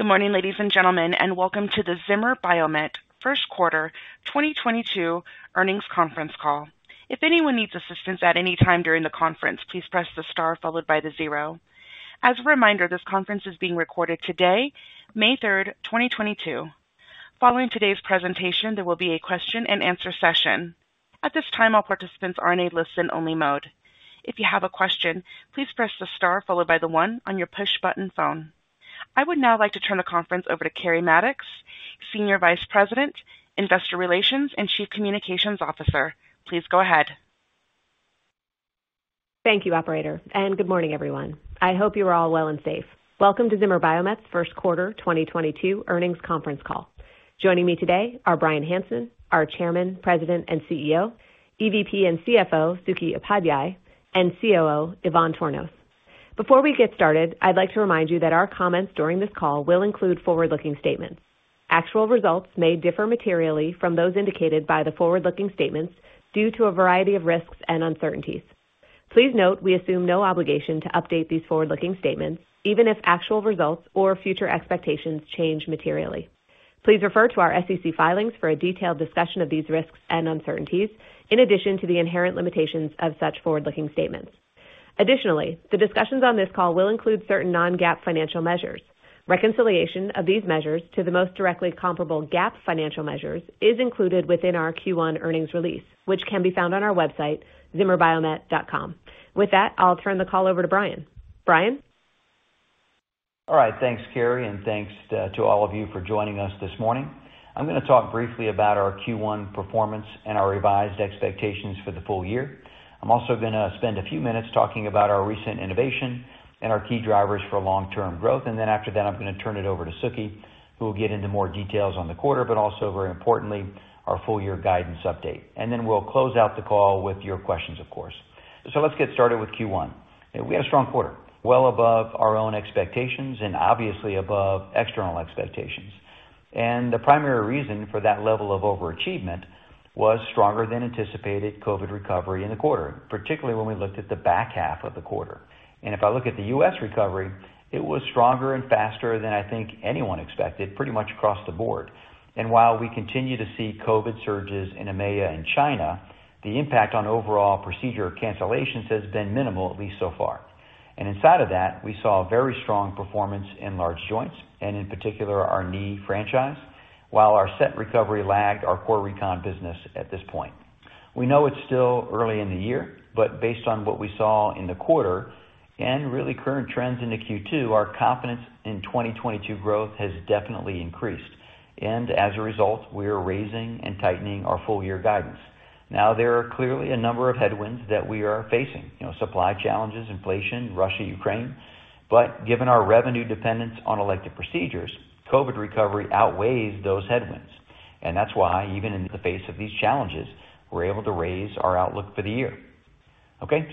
Good morning, ladies and gentlemen, and welcome to the Zimmer Biomet first quarter 2022 earnings conference call. If anyone needs assistance at any time during the conference, please press the star followed by the zero. As a reminder, this conference is being recorded today, May 3, 2022. Following today's presentation, there will be a question-and-answer session. At this time, all participants are in a listen-only mode. If you have a question, please press the star followed by the one on your push-button phone. I would now like to turn the conference over to Keri Mattox, Senior Vice President, Investor Relations, and Chief Communications Officer. Please go ahead. Thank you, operator, and good morning, everyone. I hope you are all well and safe. Welcome to Zimmer Biomet's first quarter 2022 earnings conference call. Joining me today are Bryan Hanson, our Chairman, President, and CEO, EVP and CFO, Sukhi Upadhyay, and COO, Ivan Tornos. Before we get started, I'd like to remind you that our comments during this call will include forward-looking statements. Actual results may differ materially from those indicated by the forward-looking statements due to a variety of risks and uncertainties. Please note we assume no obligation to update these forward-looking statements, even if actual results or future expectations change materially. Please refer to our SEC filings for a detailed discussion of these risks and uncertainties in addition to the inherent limitations of such forward-looking statements. Additionally, the discussions on this call will include certain non-GAAP financial measures. Reconciliation of these measures to the most directly comparable GAAP financial measures is included within our Q1 earnings release, which can be found on our website, zimmerbiomet.com. With that, I'll turn the call over to Bryan. Bryan? All right, thanks, Keri, and thanks to all of you for joining us this morning. I'm going to talk briefly about our Q1 performance and our revised expectations for the full year. I'm also going to spend a few minutes talking about our recent innovation and our key drivers for long-term growth. After that, I'm going to turn it over to Suketu, who will get into more details on the quarter, but also very importantly, our full year guidance update. We'll close out the call with your questions, of course. Let's get started with Q1. We had a strong quarter, well above our own expectations and obviously above external expectations. The primary reason for that level of overachievement was stronger than anticipated COVID recovery in the quarter, particularly when we looked at the back half of the quarter. If I look at the U.S. recovery, it was stronger and faster than I think anyone expected pretty much across the board. While we continue to see COVID surges in EMEA and China, the impact on overall procedure cancellations has been minimal, at least so far. Inside of that, we saw a very strong performance in large joints, and in particular, our knee franchise. While our SET recovery lagged our core recon business at this point. We know it's still early in the year, but based on what we saw in the quarter and really current trends into Q2, our confidence in 2022 growth has definitely increased. As a result, we are raising and tightening our full year guidance. Now, there are clearly a number of headwinds that we are facing, you know, supply challenges, inflation, Russia, Ukraine. Given our revenue dependence on elective procedures, COVID recovery outweighs those headwinds. That's why even in the face of these challenges, we're able to raise our outlook for the year. Okay,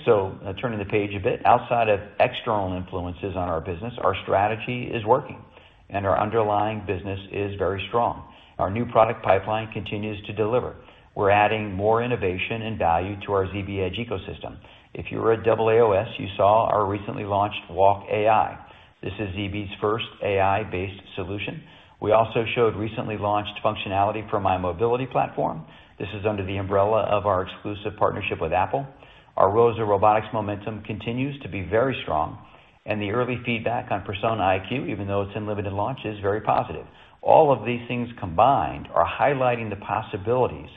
turning the page a bit. Outside of external influences on our business, our strategy is working and our underlying business is very strong. Our new product pipeline continues to deliver. We're adding more innovation and value to our ZBEdge ecosystem. If you were at AAOS, you saw our recently launched WalkAI. This is ZB's first AI-based solution. We also showed recently launched functionality for mymobility platform. This is under the umbrella of our exclusive partnership with Apple. Our ROSA robotics momentum continues to be very strong, and the early feedback on Persona IQ, even though it's in limited launch, is very positive. All of these things combined are highlighting the possibilities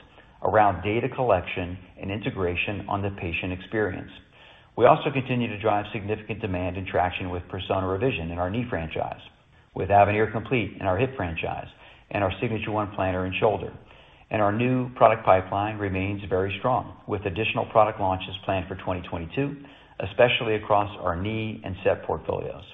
around data collection and integration on the patient experience. We also continue to drive significant demand and traction with Persona Revision in our knee franchise, with Avenir Complete in our hip franchise, and our Signature ONE planner in shoulder. Our new product pipeline remains very strong, with additional product launches planned for 2022, especially across our knee and SET portfolios.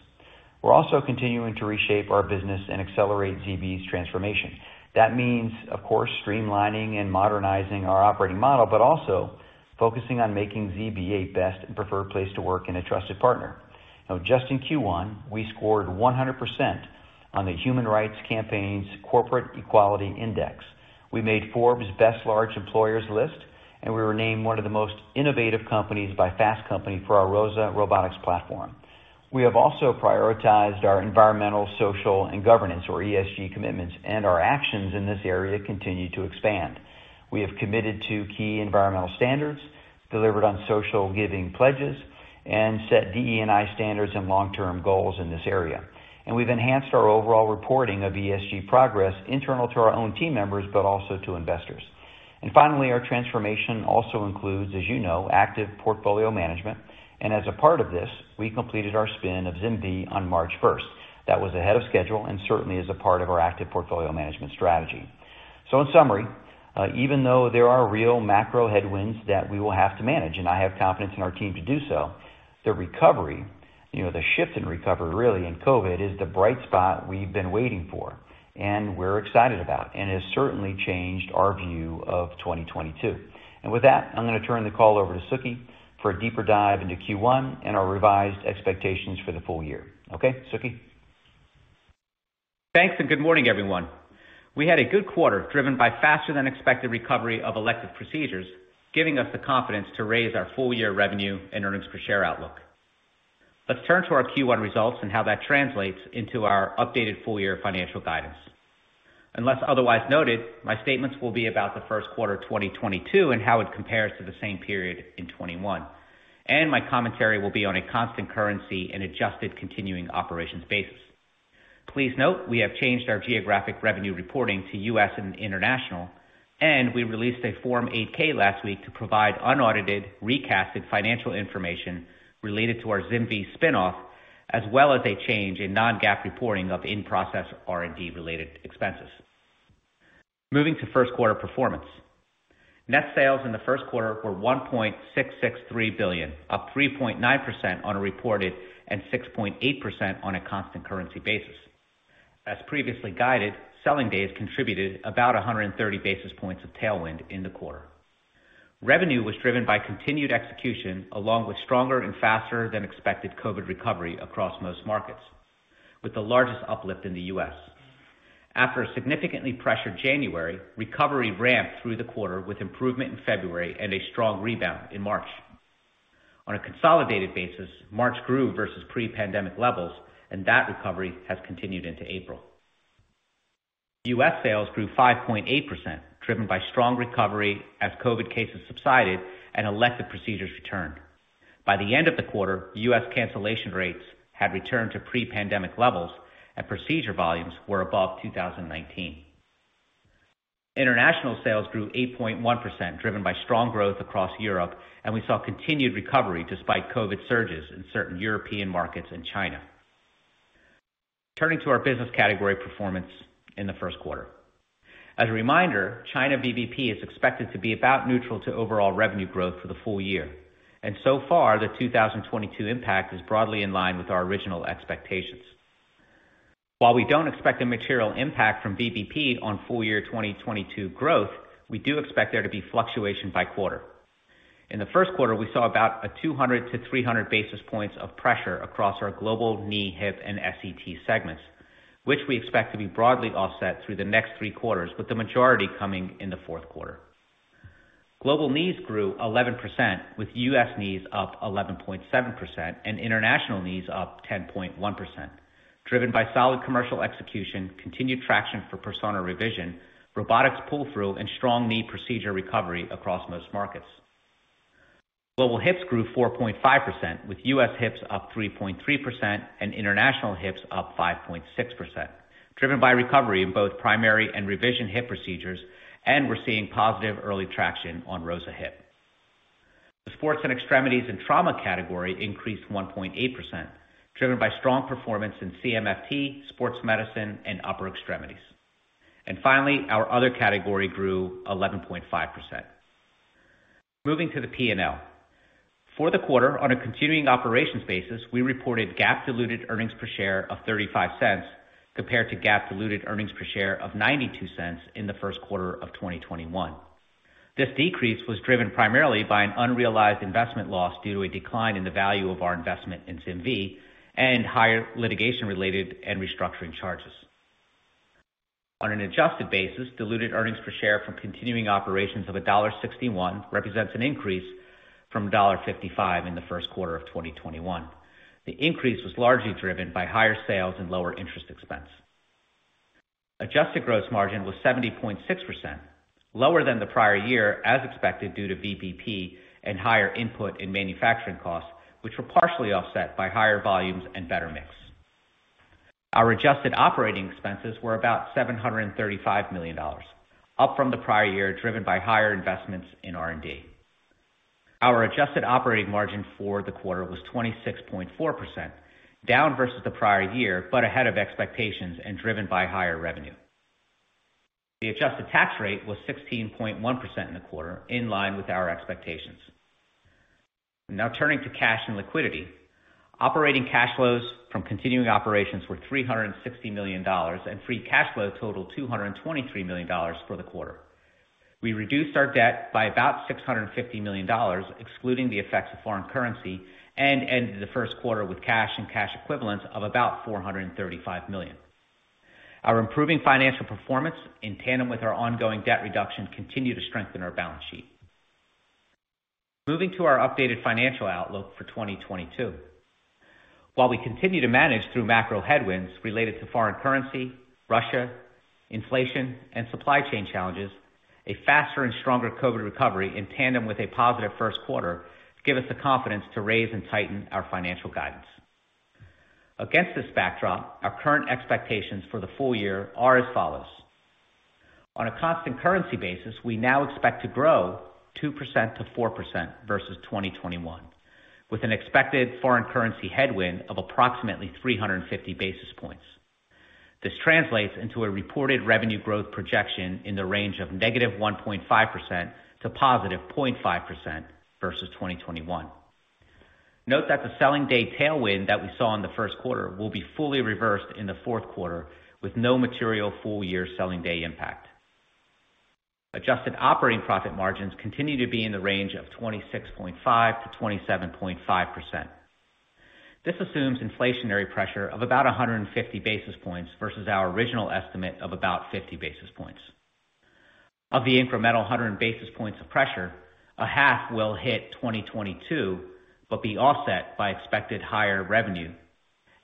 We're also continuing to reshape our business and accelerate ZB's transformation. That means, of course, streamlining and modernizing our operating model, but also focusing on making ZB a best and preferred place to work and a trusted partner. Now, just in Q1, we scored 100% on the Human Rights Campaign's Corporate Equality Index. We made Forbes Best Large Employers list, and we were named one of the most innovative companies by Fast Company for our ROSA robotics platform. We have also prioritized our environmental, social, and governance or ESG commitments, and our actions in this area continue to expand. We have committed to key environmental standards, delivered on social giving pledges, and set DE&I standards and long-term goals in this area. We've enhanced our overall reporting of ESG progress internal to our own team members, but also to investors. Finally, our transformation also includes, as you know, active portfolio management. As a part of this, we completed our spin of ZimVie on March first. That was ahead of schedule and certainly is a part of our active portfolio management strategy. In summary, even though there are real macro headwinds that we will have to manage, and I have confidence in our team to do so, the recovery, you know, the shift in recovery really in COVID is the bright spot we've been waiting for and we're excited about, and has certainly changed our view of 2022. With that, I'm going to turn the call over to Sukhi for a deeper dive into Q1 and our revised expectations for the full year. Okay, Sukhi? Thanks and good morning, everyone. We had a good quarter driven by faster than expected recovery of elective procedures. Giving us the confidence to raise our full year revenue and earnings per share outlook. Let's turn to our Q1 results and how that translates into our updated full year financial guidance. Unless otherwise noted, my statements will be about the first quarter of 2022 and how it compares to the same period in 2021. My commentary will be on a constant currency and adjusted continuing operations basis. Please note, we have changed our geographic revenue reporting to U.S. and international, and we released a Form 8-K last week to provide unaudited, recasted financial information related to our ZimVie spinoff, as well as a change in non-GAAP reporting of in-process R&D related expenses. Moving to first quarter performance. Net sales in the first quarter were $1.663 billion, up 3.9% on a reported and 6.8% on a constant currency basis. As previously guided, selling days contributed about 130 basis points of tailwind in the quarter. Revenue was driven by continued execution along with stronger and faster than expected COVID recovery across most markets, with the largest uplift in the U.S. After a significantly pressured January, recovery ramped through the quarter with improvement in February and a strong rebound in March. On a consolidated basis, March grew versus pre-pandemic levels, and that recovery has continued into April. U.S. sales grew 5.8%, driven by strong recovery as COVID cases subsided and elective procedures returned. By the end of the quarter, U.S. cancellation rates had returned to pre-pandemic levels and procedure volumes were above 2019. International sales grew 8.1%, driven by strong growth across Europe, and we saw continued recovery despite COVID surges in certain European markets and China. Turning to our business category performance in the first quarter. As a reminder, China VBP is expected to be about neutral to overall revenue growth for the full year, and so far the 2022 impact is broadly in line with our original expectations. While we don't expect a material impact from VBP on full year 2022 growth, we do expect there to be fluctuation by quarter. In the first quarter, we saw about 200 to 300 basis points of pressure across our global knee, hip, and SET segments, which we expect to be broadly offset through the next three quarters, with the majority coming in the fourth quarter. Global knees grew 11%, with US knees up 11.7% and international knees up 10.1%, driven by solid commercial execution, continued traction for Persona revision, robotics pull-through, and strong knee procedure recovery across most markets. Global hips grew 4.5%, with US hips up 3.3% and international hips up 5.6%, driven by recovery in both primary and revision hip procedures, and we're seeing positive early traction on ROSA Hip. The sports and extremities and trauma category increased 1.8%, driven by strong performance in CMFT, Sports Medicine, and upper extremities. Finally, our other category grew 11.5%. Moving to the P&L. For the quarter, on a continuing operations basis, we reported GAAP diluted earnings per share of $0.35 compared to GAAP diluted earnings per share of $0.92 in the first quarter of 2021. This decrease was driven primarily by an unrealized investment loss due to a decline in the value of our investment in ZimVie and higher litigation-related and restructuring charges. On an adjusted basis, diluted earnings per share from continuing operations of $1.61 represents an increase from $1.55 in the first quarter of 2021. The increase was largely driven by higher sales and lower interest expense. Adjusted gross margin was 70.6%, lower than the prior year as expected due to VBP and higher input in manufacturing costs, which were partially offset by higher volumes and better mix. Our adjusted operating expenses were about $735 million, up from the prior year, driven by higher investments in R&D. Our adjusted operating margin for the quarter was 26.4%, down versus the prior year, but ahead of expectations and driven by higher revenue. The adjusted tax rate was 16.1% in the quarter, in line with our expectations. Now turning to cash and liquidity. Operating cash flows from continuing operations were $360 million and free cash flow totaled $223 million for the quarter. We reduced our debt by about $650 million, excluding the effects of foreign currency, and ended the first quarter with cash and cash equivalents of about $435 million. Our improving financial performance in tandem with our ongoing debt reduction continue to strengthen our balance sheet. Moving to our updated financial outlook for 2022. While we continue to manage through macro headwinds related to foreign currency, Russia, inflation, and supply chain challenges, a faster and stronger COVID recovery in tandem with a positive first quarter give us the confidence to raise and tighten our financial guidance. Against this backdrop, our current expectations for the full year are as follows. On a constant currency basis, we now expect to grow 2% to 4% versus 2021, with an expected foreign currency headwind of approximately 350 basis points. This translates into a reported revenue growth projection in the range of -1.5% to +0.5% versus 2021. Note that the selling day tailwind that we saw in the first quarter will be fully reversed in the fourth quarter with no material full year selling day impact. Adjusted operating profit margins continue to be in the range of 26.5% to 27.5%. This assumes inflationary pressure of about 150 basis points versus our original estimate of about 50 basis points. Of the incremental 100 basis points of pressure, a half will hit 2022, but be offset by expected higher revenue,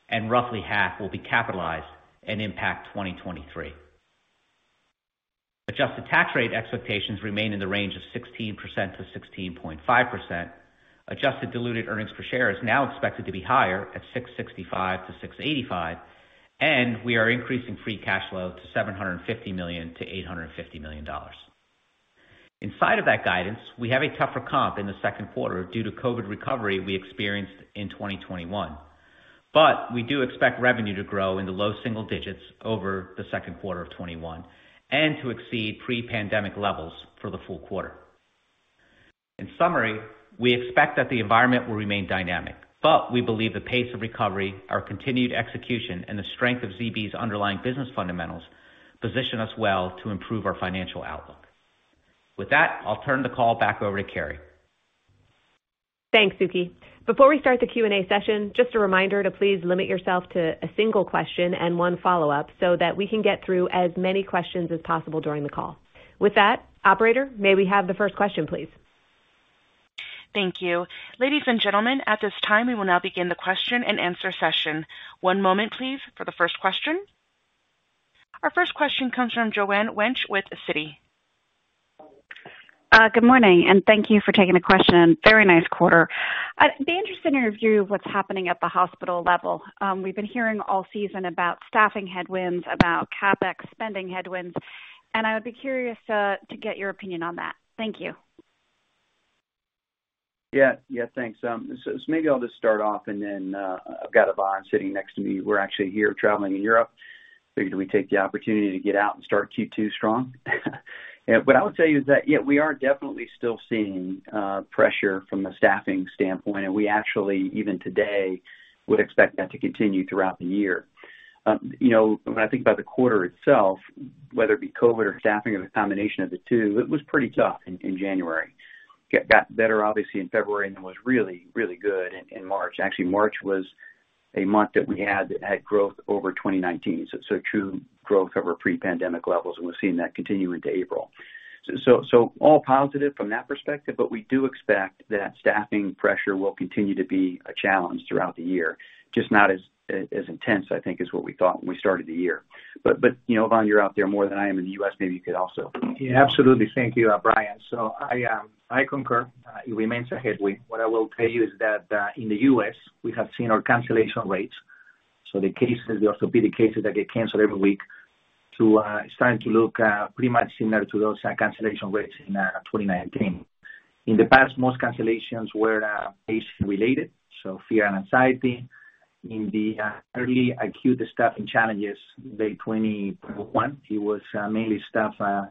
and roughly half will be capitalized and impact 2023. Adjusted tax rate expectations remain in the range of 16% to 16.5%. Adjusted diluted earnings per share is now expected to be higher at $6.65 to $6.85, and we are increasing free cash flow to $750 million to $850 million. Inside of that guidance, we have a tougher comp in the second quarter due to COVID recovery we experienced in 2021. We do expect revenue to grow in the low single digits% over the second quarter of 2021 and to exceed pre-pandemic levels for the full quarter. In summary, we expect that the environment will remain dynamic, but we believe the pace of recovery, our continued execution, and the strength of ZB's underlying business fundamentals position us well to improve our financial outlook. With that, I'll turn the call back over to Keri. Thanks, Sukhi. Before we start the Q&A session, just a reminder to please limit yourself to a single question and one follow-up so that we can get through as many questions as possible during the call. With that, operator, may we have the first question, please? Thank you. Ladies and gentlemen, at this time, we will now begin the question-and-answer session. One moment please for the first question. Our first question comes from Joanne Wuensch with Citi. Good morning, and thank you for taking the question. Very nice quarter. I'd be interested in your view of what's happening at the hospital level. We've been hearing all season about staffing headwinds, about CapEx spending headwinds, and I would be curious to get your opinion on that. Thank you. Yeah, thanks. Maybe I'll just start off and then I've got Ivan sitting next to me. We're actually here traveling in Europe. Figured we take the opportunity to get out and start Q2 strong. What I would tell you is that, yeah, we are definitely still seeing pressure from a staffing standpoint, and we actually, even today, would expect that to continue throughout the year. You know, when I think about the quarter itself, whether it be COVID or staffing or the combination of the two, it was pretty tough in January. Got better, obviously, in February, and then was really good in March. Actually, March was a month that we had growth over 2019. True growth over pre-pandemic levels, and we're seeing that continue into April. All positive from that perspective, but we do expect that staffing pressure will continue to be a challenge throughout the year, just not as intense, I think, as what we thought when we started the year. You know, Ivan, you're out there more than I am in the U.S. Maybe you could also Yeah, absolutely. Thank you, Bryan. I concur. It remains a headwind. What I will tell you is that in the U.S., we have seen our cancellation rates, so the cases, the orthopedic cases that get canceled every week starting to look pretty much similar to those cancellation rates in 2019. In the past, most cancellations were patient related, so fear and anxiety. In the early acute staffing challenges, late 2021, it was mainly staffing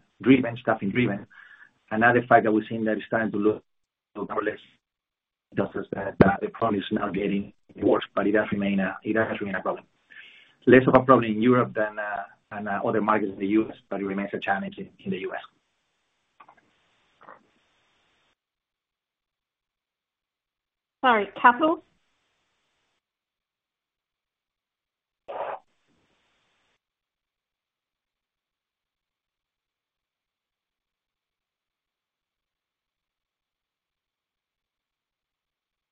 driven. Another factor we're seeing that it's starting to look more or less tells us that the problem is now getting worse, but it does remain a problem. Less of a problem in Europe than other markets in the U.S., but it remains a challenge in the U.S. All right. Capital.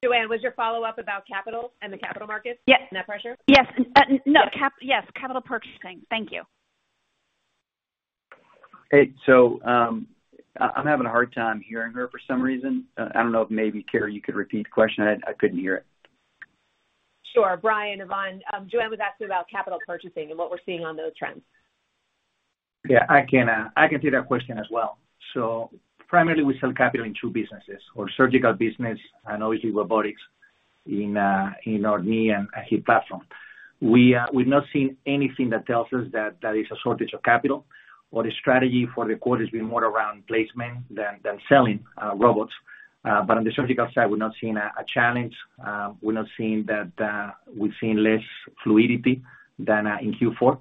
Joanne, was your follow-up about capital and the capital markets? Yes. Net pressure? Yes, capital purchasing. Thank you. Hey, I'm having a hard time hearing her for some reason. I don't know if maybe, Keri, you could repeat the question. I couldn't hear it. Sure. Bryan, Ivan, Joanne was asking about capital purchasing and what we're seeing on those trends. Yeah, I can take that question as well. Primarily we sell capital in two businesses, our surgical business and obviously robotics in our knee and hip platform. We've not seen anything that tells us that there is a shortage of capital or the strategy for the quarter has been more around placement than selling robots. On the surgical side, we're not seeing a challenge. We're not seeing that, we've seen less fluidity than in Q4.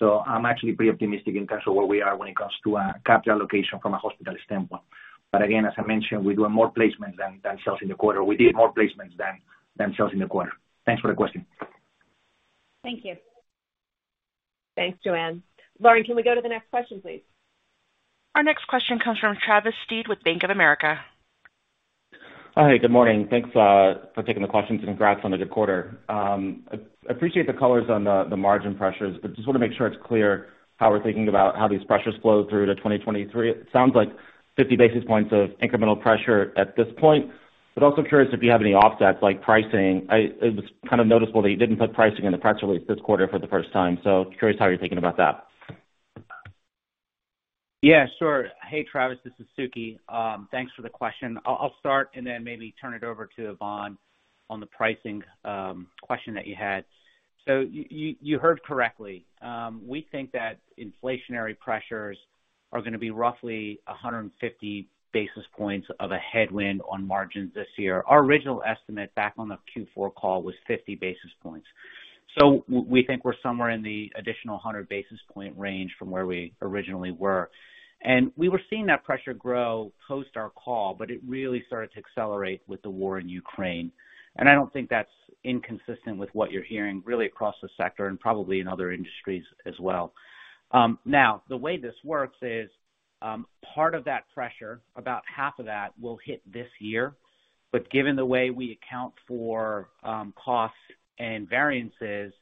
I'm actually pretty optimistic in terms of where we are when it comes to capital allocation from a hospital standpoint. Again, as I mentioned, we're doing more placements than sales in the quarter. We did more placements than sales in the quarter. Thanks for the question. Thank you. Thanks, Joanne. Lauren, can we go to the next question, please? Our next question comes from Travis Steed with Bank of America. Hi, good morning. Thanks for taking the questions, and congrats on a good quarter. Appreciate the colors on the margin pressures, but just want to make sure it's clear how we're thinking about how these pressures flow through to 2023. It sounds like 50 basis points of incremental pressure at this point, but also curious if you have any offsets like pricing. It was kind of noticeable that you didn't put pricing in the press release this quarter for the first time, so curious how you're thinking about that. Yeah, sure. Hey, Travis, this is Sukhi. Thanks for the question. I'll start and then maybe turn it over to Ivan on the pricing question that you had. You heard correctly. We think that inflationary pressures are going to be roughly 150 basis points of a headwind on margins this year. Our original estimate back on the Q4 call was 50 basis points. We think we're somewhere in the additional 100 basis point range from where we originally were. We were seeing that pressure grow post our call, but it really started to accelerate with the war in Ukraine. I don't think that's inconsistent with what you're hearing really across the sector and probably in other industries as well. Now, the way this works is, part of that pressure, about half of that will hit this year. Given the way we account for costs and variances,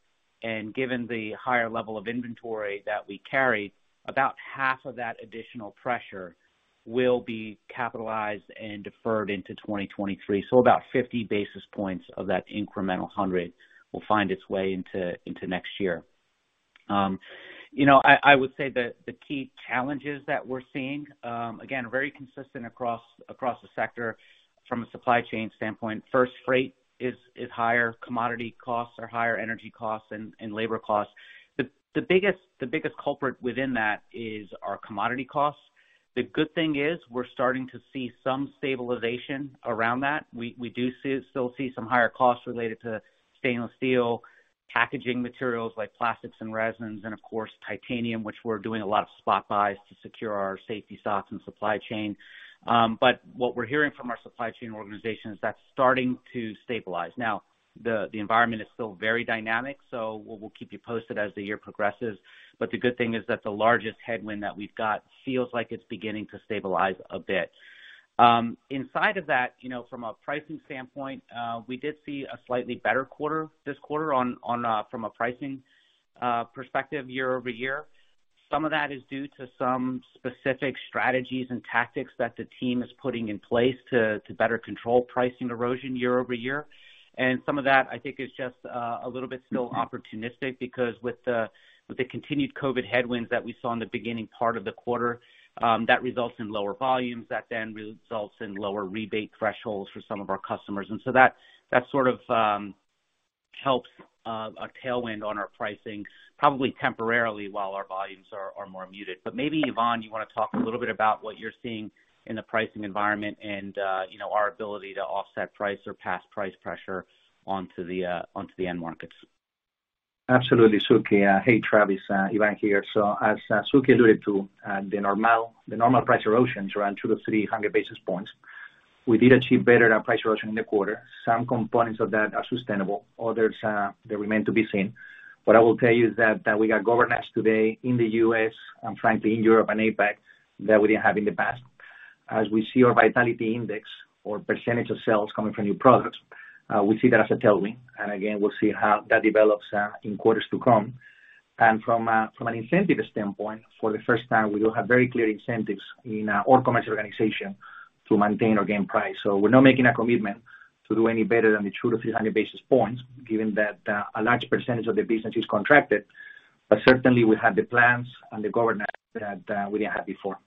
and given the higher level of inventory that we carry, about half of that additional pressure will be capitalized and deferred into 2023. So about 50 basis points of that incremental 100 will find its way into next year. You know, I would say the key challenges that we're seeing, again, very consistent across the sector from a supply chain standpoint. First, freight is higher. Commodity costs are higher. Energy costs and labor costs. The biggest culprit within that is our commodity costs. The good thing is we're starting to see some stabilization around that. We still see some higher costs related to stainless steel, packaging materials like plastics and resins, and of course, titanium, which we're doing a lot of spot buys to secure our safety stocks and supply chain. What we're hearing from our supply chain organization is that's starting to stabilize. The environment is still very dynamic, so we'll keep you posted as the year progresses. The good thing is that the largest headwind that we've got feels like it's beginning to stabilize a bit. Inside of that, you know, from a pricing standpoint, we did see a slightly better quarter this quarter on from a pricing perspective year over year. Some of that is due to some specific strategies and tactics that the team is putting in place to better control pricing erosion year over year. Some of that, I think, is just a little bit still opportunistic because with the continued COVID headwinds that we saw in the beginning part of the quarter, that results in lower volumes. That then results in lower rebate thresholds for some of our customers. That sort of helps a tailwind on our pricing probably temporarily while our volumes are more muted. Maybe, Ivan, you want to talk a little bit about what you're seeing in the pricing environment and you know, our ability to offset price or pass price pressure onto the end markets. Absolutely, Sukhi. Hey, Travis, Ivan here. Sukhi alluded to the normal price erosions run 200-300 basis points. We did achieve better than price erosion in the quarter. Some components of that are sustainable, others they remain to be seen. What I will tell you is that we got guidance today in the US, and frankly, in Europe and APAC, that we didn't have in the past. As we see our vitality index or percentage of sales coming from new products, we see that as a tailwind. Again, we'll see how that develops in quarters to come. From an incentive standpoint, for the first time, we will have very clear incentives in our commercial organization to maintain or gain price. We're not making a commitment to do any better than the 200-300 basis points, given that a large percentage of the business is contracted. Certainly we have the plans and the governance that we didn't have before.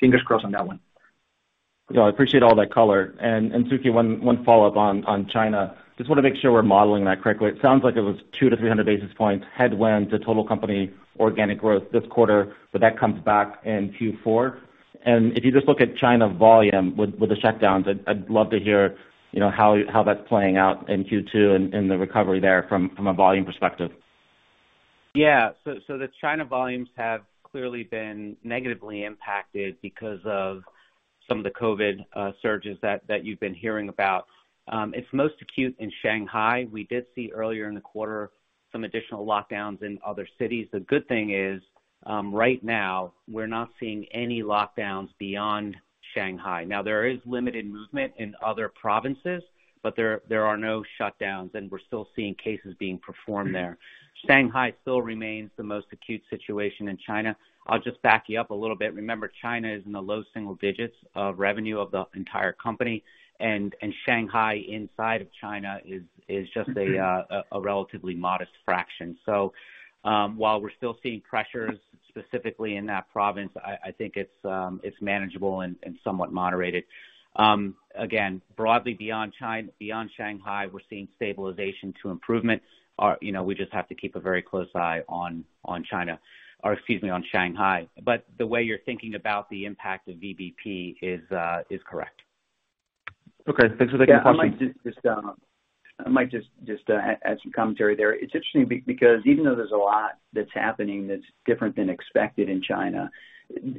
Fingers crossed on that one. No, I appreciate all that color. Sukhi, one follow-up on China. Just want to make sure we're modeling that correctly. It sounds like it was 200-300 basis points headwind to total company organic growth this quarter, but that comes back in Q4. If you just look at China volume with the shutdowns, I'd love to hear, you know, how that's playing out in Q2 and the recovery there from a volume perspective. Yeah. The China volumes have clearly been negatively impacted because of some of the COVID surges that you've been hearing about. It's most acute in Shanghai. We did see earlier in the quarter some additional lockdowns in other cities. The good thing is, right now we're not seeing any lockdowns beyond Shanghai. Now, there is limited movement in other provinces, but there are no shutdowns, and we're still seeing cases being performed there. Shanghai still remains the most acute situation in China. I'll just back you up a little bit. Remember, China is in the low single digits of revenue of the entire company, and Shanghai inside of China is just a relatively modest fraction. While we're still seeing pressures specifically in that province, I think it's manageable and somewhat moderated. Again, broadly beyond Shanghai, we're seeing stabilization to improvement. Our, you know, we just have to keep a very close eye on China or, excuse me, on Shanghai. The way you're thinking about the impact of VBP is correct. Okay. Thanks for the good question. Yeah, I might just add some commentary there. It's interesting because even though there's a lot that's happening that's different than expected in China,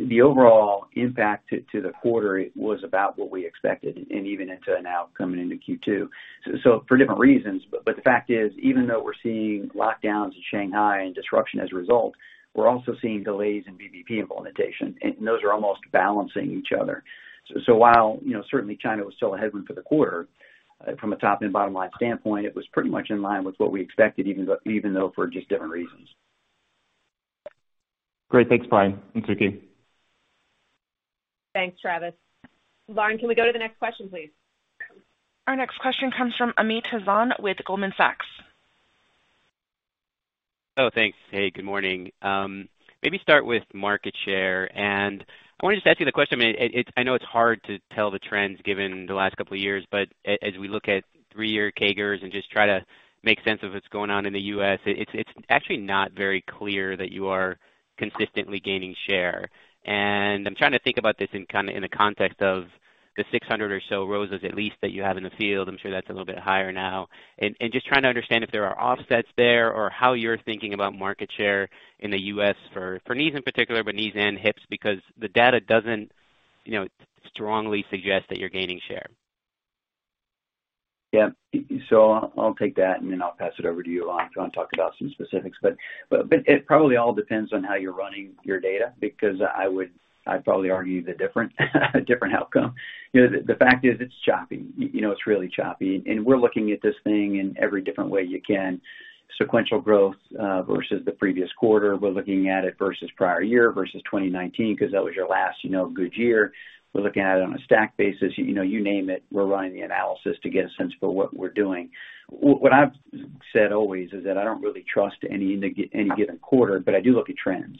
the overall impact to the quarter was about what we expected and even into now coming into Q2. For different reasons, the fact is, even though we're seeing lockdowns in Shanghai and disruption as a result, we're also seeing delays in VBP implementation, and those are almost balancing each other. While, you know, certainly China was still a headwind for the quarter, from a top and bottom line standpoint, it was pretty much in line with what we expected even though for just different reasons. Great. Thanks, Bryan and Sukhi. Thanks, Travis. Lauren, can we go to the next question, please? Our next question comes from Amit Hazan with Goldman Sachs. Oh, thanks. Hey, good morning. Maybe start with market share. I want to just ask you the question. I mean, I know it's hard to tell the trends given the last couple of years, but as we look at 3-year CAGRs and just try to make sense of what's going on in the U.S., it's actually not very clear that you are consistently gaining share. I'm trying to think about this in kind of the context of the 600 or so ROSAs at least that you have in the field. I'm sure that's a little bit higher now. Just trying to understand if there are offsets there or how you're thinking about market share in the U.S. for knees in particular, but knees and hips, because the data doesn't, you know, strongly suggest that you're gaining share. Yeah. I'll take that, and then I'll pass it over to you, Ivan, if you want to talk about some specifics. It probably all depends on how you're running your data, because I'd probably argue the different outcome. You know, the fact is it's choppy. You know, it's really choppy. We're looking at this thing in every different way you can. Sequential growth versus the previous quarter. We're looking at it versus prior year, versus 2019, because that was your last, you know, good year. We're looking at it on a stack basis. You know, you name it, we're running the analysis to get a sense for what we're doing. What I've said always is that I don't really trust any given quarter, but I do look at trends.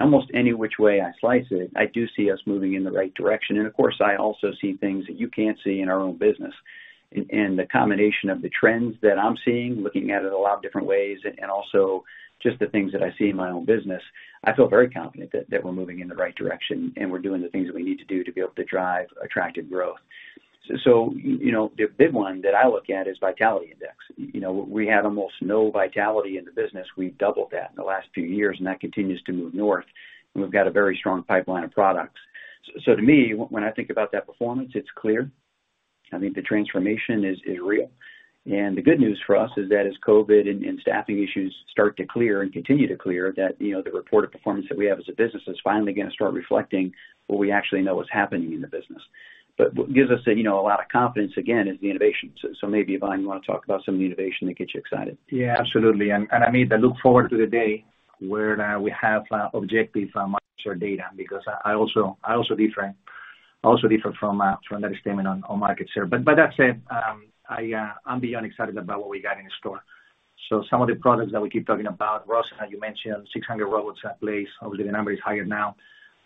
Almost any which way I slice it, I do see us moving in the right direction. Of course, I also see things that you can't see in our own business. The combination of the trends that I'm seeing, looking at it a lot of different ways and also just the things that I see in my own business, I feel very confident that we're moving in the right direction and we're doing the things that we need to do to be able to drive attractive growth. You know, the big one that I look at is vitality index. You know, we had almost no vitality in the business. We've doubled that in the last few years, and that continues to move north. We've got a very strong pipeline of products. To me, when I think about that performance, it's clear. I think the transformation is real. The good news for us is that as COVID and staffing issues start to clear and continue to clear, you know, the reported performance that we have as a business is finally going to start reflecting what we actually know is happening in the business. What gives us a, you know, a lot of confidence, again, is the innovation. Maybe, Ivan, you want to talk about some of the innovation that gets you excited. Yeah, absolutely. I mean, I look forward to the day where we have objective market share data because I also differ from that statement on market share. That said, I'm beyond excited about what we got in store. Some of the products that we keep talking about, ROSA, you mentioned 600 robots in place. Obviously, the number is higher now.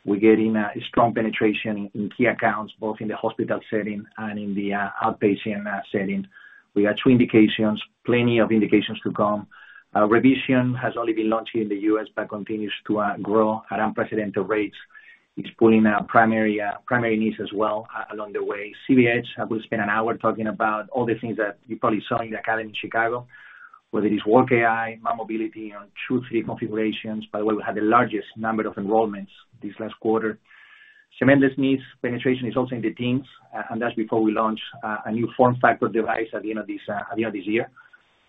We're getting strong penetration in key accounts, both in the hospital setting and in the outpatient setting. We have 2 indications, plenty of indications to come. Revision has only been launched in the U.S. but continues to grow at unprecedented rates. It's pulling primary knees as well along the way. CBH, I will spend an hour talking about all the things that you probably saw in the academy in Chicago, whether it's WalkAI, mymobility on two, three configurations. By the way, we had the largest number of enrollments this last quarter. Cementless knees penetration is also in the teens, and that's before we launch a new form factor device at the end of this year,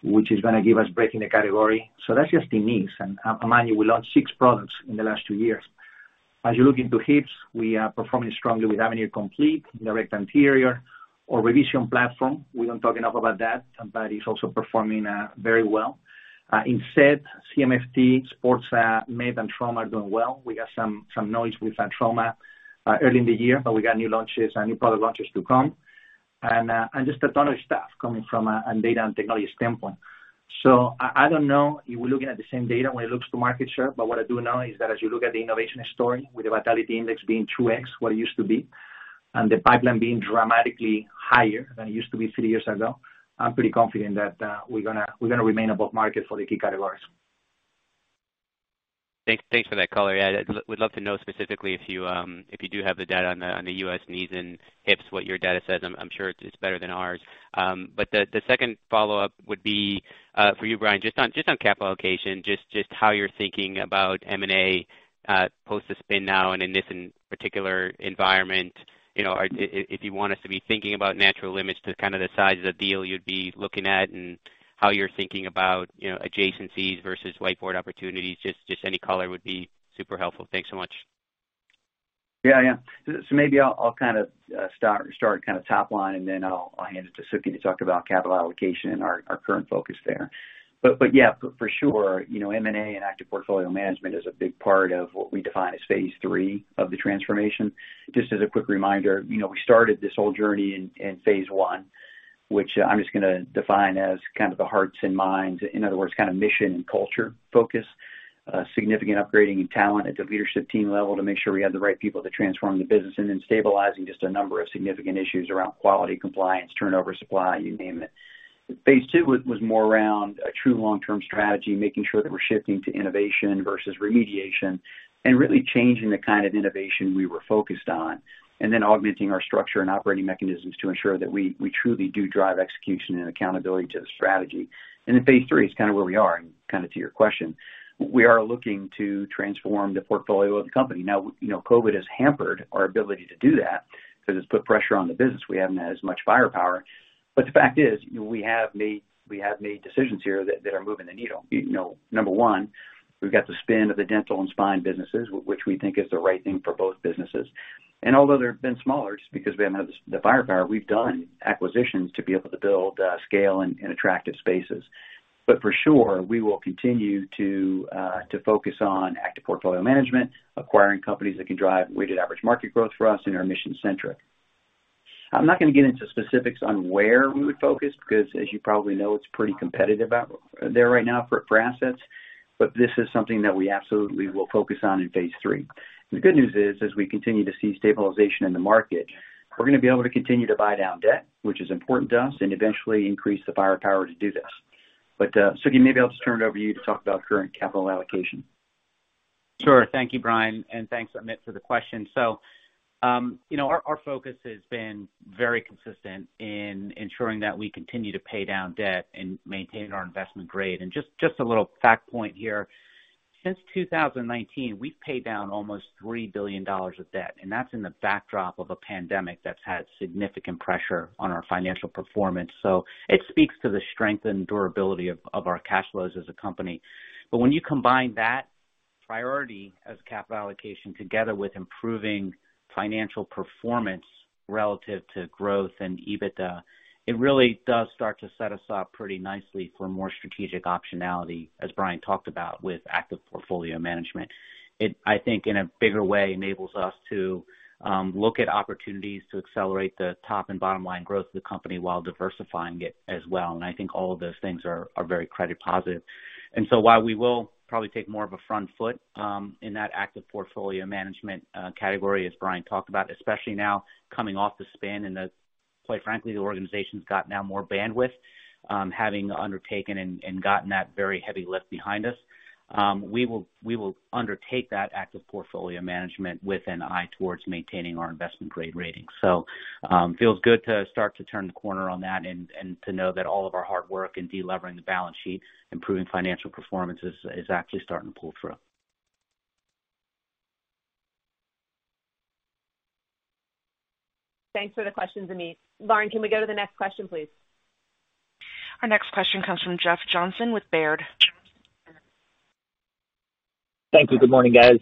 which is going to give us a break in the category. That's just the knees. Mind you, we launched six products in the last two years. As you look into hips, we are performing strongly with Avenir Complete in the direct anterior or revision platform. We don't talk enough about that, but it's also performing very well. Indeed, CMFT, Sports Medicine and trauma are doing well. We got some noise with trauma early in the year, but we got new launches and new product launches to come. Just a ton of stuff coming from a data and technology standpoint. I don't know if we're looking at the same data when it looks to market share, but what I do know is that as you look at the innovation story, with the vitality index being 2x what it used to be and the pipeline being dramatically higher than it used to be 3 years ago, I'm pretty confident that we're going to remain above market for the key categories. Thanks for that color. Yeah, I would love to know specifically if you do have the data on the US knees and hips, what your data says. I'm sure it's better than ours. The second follow-up would be for you, Bryan, just on capital allocation, just how you're thinking about M&A post the spin now and in this particular environment. You know, or if you want us to be thinking about natural limits to kind of the size of the deal you'd be looking at and how you're thinking about, you know, adjacencies versus whiteboard opportunities. Just any color would be super helpful. Thanks so much. Yeah. Maybe I'll kind of start kind of top line and then I'll hand it to Sukhi to talk about capital allocation and our current focus there. Yeah, for sure, you know, M&A and active portfolio management is a big part of what we define as phase three of the transformation. Just as a quick reminder, you know, we started this whole journey in phase one, which I'm just going to define as kind of the hearts and minds. In other words, kind of mission and culture focus, significant upgrading and talent at the leadership team level to make sure we have the right people to transform the business and then stabilizing just a number of significant issues around quality, compliance, turnover, supply, you name it. Phase two was more around a true long-term strategy, making sure that we're shifting to innovation versus remediation and really changing the kind of innovation we were focused on, and then augmenting our structure and operating mechanisms to ensure that we truly do drive execution and accountability to the strategy. Phase three is kind of where we are. Kind of to your question, we are looking to transform the portfolio of the company. Now, you know, COVID has hampered our ability to do that because it's put pressure on the business. We haven't had as much firepower. But the fact is, we have made decisions here that are moving the needle. You know, number one, we've got the spin of the dental and spine businesses, which we think is the right thing for both businesses. Although they've been smaller, just because we haven't had the firepower, we've done acquisitions to be able to build scale in attractive spaces. For sure, we will continue to focus on active portfolio management, acquiring companies that can drive weighted average market growth for us and are mission-centric. I'm not going to get into specifics on where we would focus because as you probably know, it's pretty competitive out there right now for assets. This is something that we absolutely will focus on in phase three. The good news is, as we continue to see stabilization in the market, we're going to be able to continue to buy down debt, which is important to us, and eventually increase the firepower to do this. Sukhi, maybe I'll just turn it over to you to talk about current capital allocation. Sure. Thank you, Bryan. Thanks, Amit, for the question. You know, our focus has been very consistent in ensuring that we continue to pay down debt and maintain our investment grade. Just a little fact point here. Since 2019, we've paid down almost $3 billion of debt, and that's in the backdrop of a pandemic that's had significant pressure on our financial performance. It speaks to the strength and durability of our cash flows as a company. When you combine that priority as capital allocation together with improving financial performance relative to growth and EBITDA, it really does start to set us up pretty nicely for more strategic optionality, as Bryan talked about, with active portfolio management. I think, in a bigger way, enables us to look at opportunities to accelerate the top and bottom line growth of the company while diversifying it as well. I think all of those things are very credit positive. While we will probably take more of a front foot in that active portfolio management category, as Bryan talked about, especially now coming off the spin and, quite frankly, the organization's got now more bandwidth, having undertaken and gotten that very heavy lift behind us, we will undertake that active portfolio management with an eye towards maintaining our investment grade rating. Feels good to start to turn the corner on that and to know that all of our hard work in delevering the balance sheet, improving financial performance is actually starting to pull through. Thanks for the question, Amit. Lauren, can we go to the next question, please? Our next question comes from Jeff Johnson with Baird. Thank you. Good morning, guys.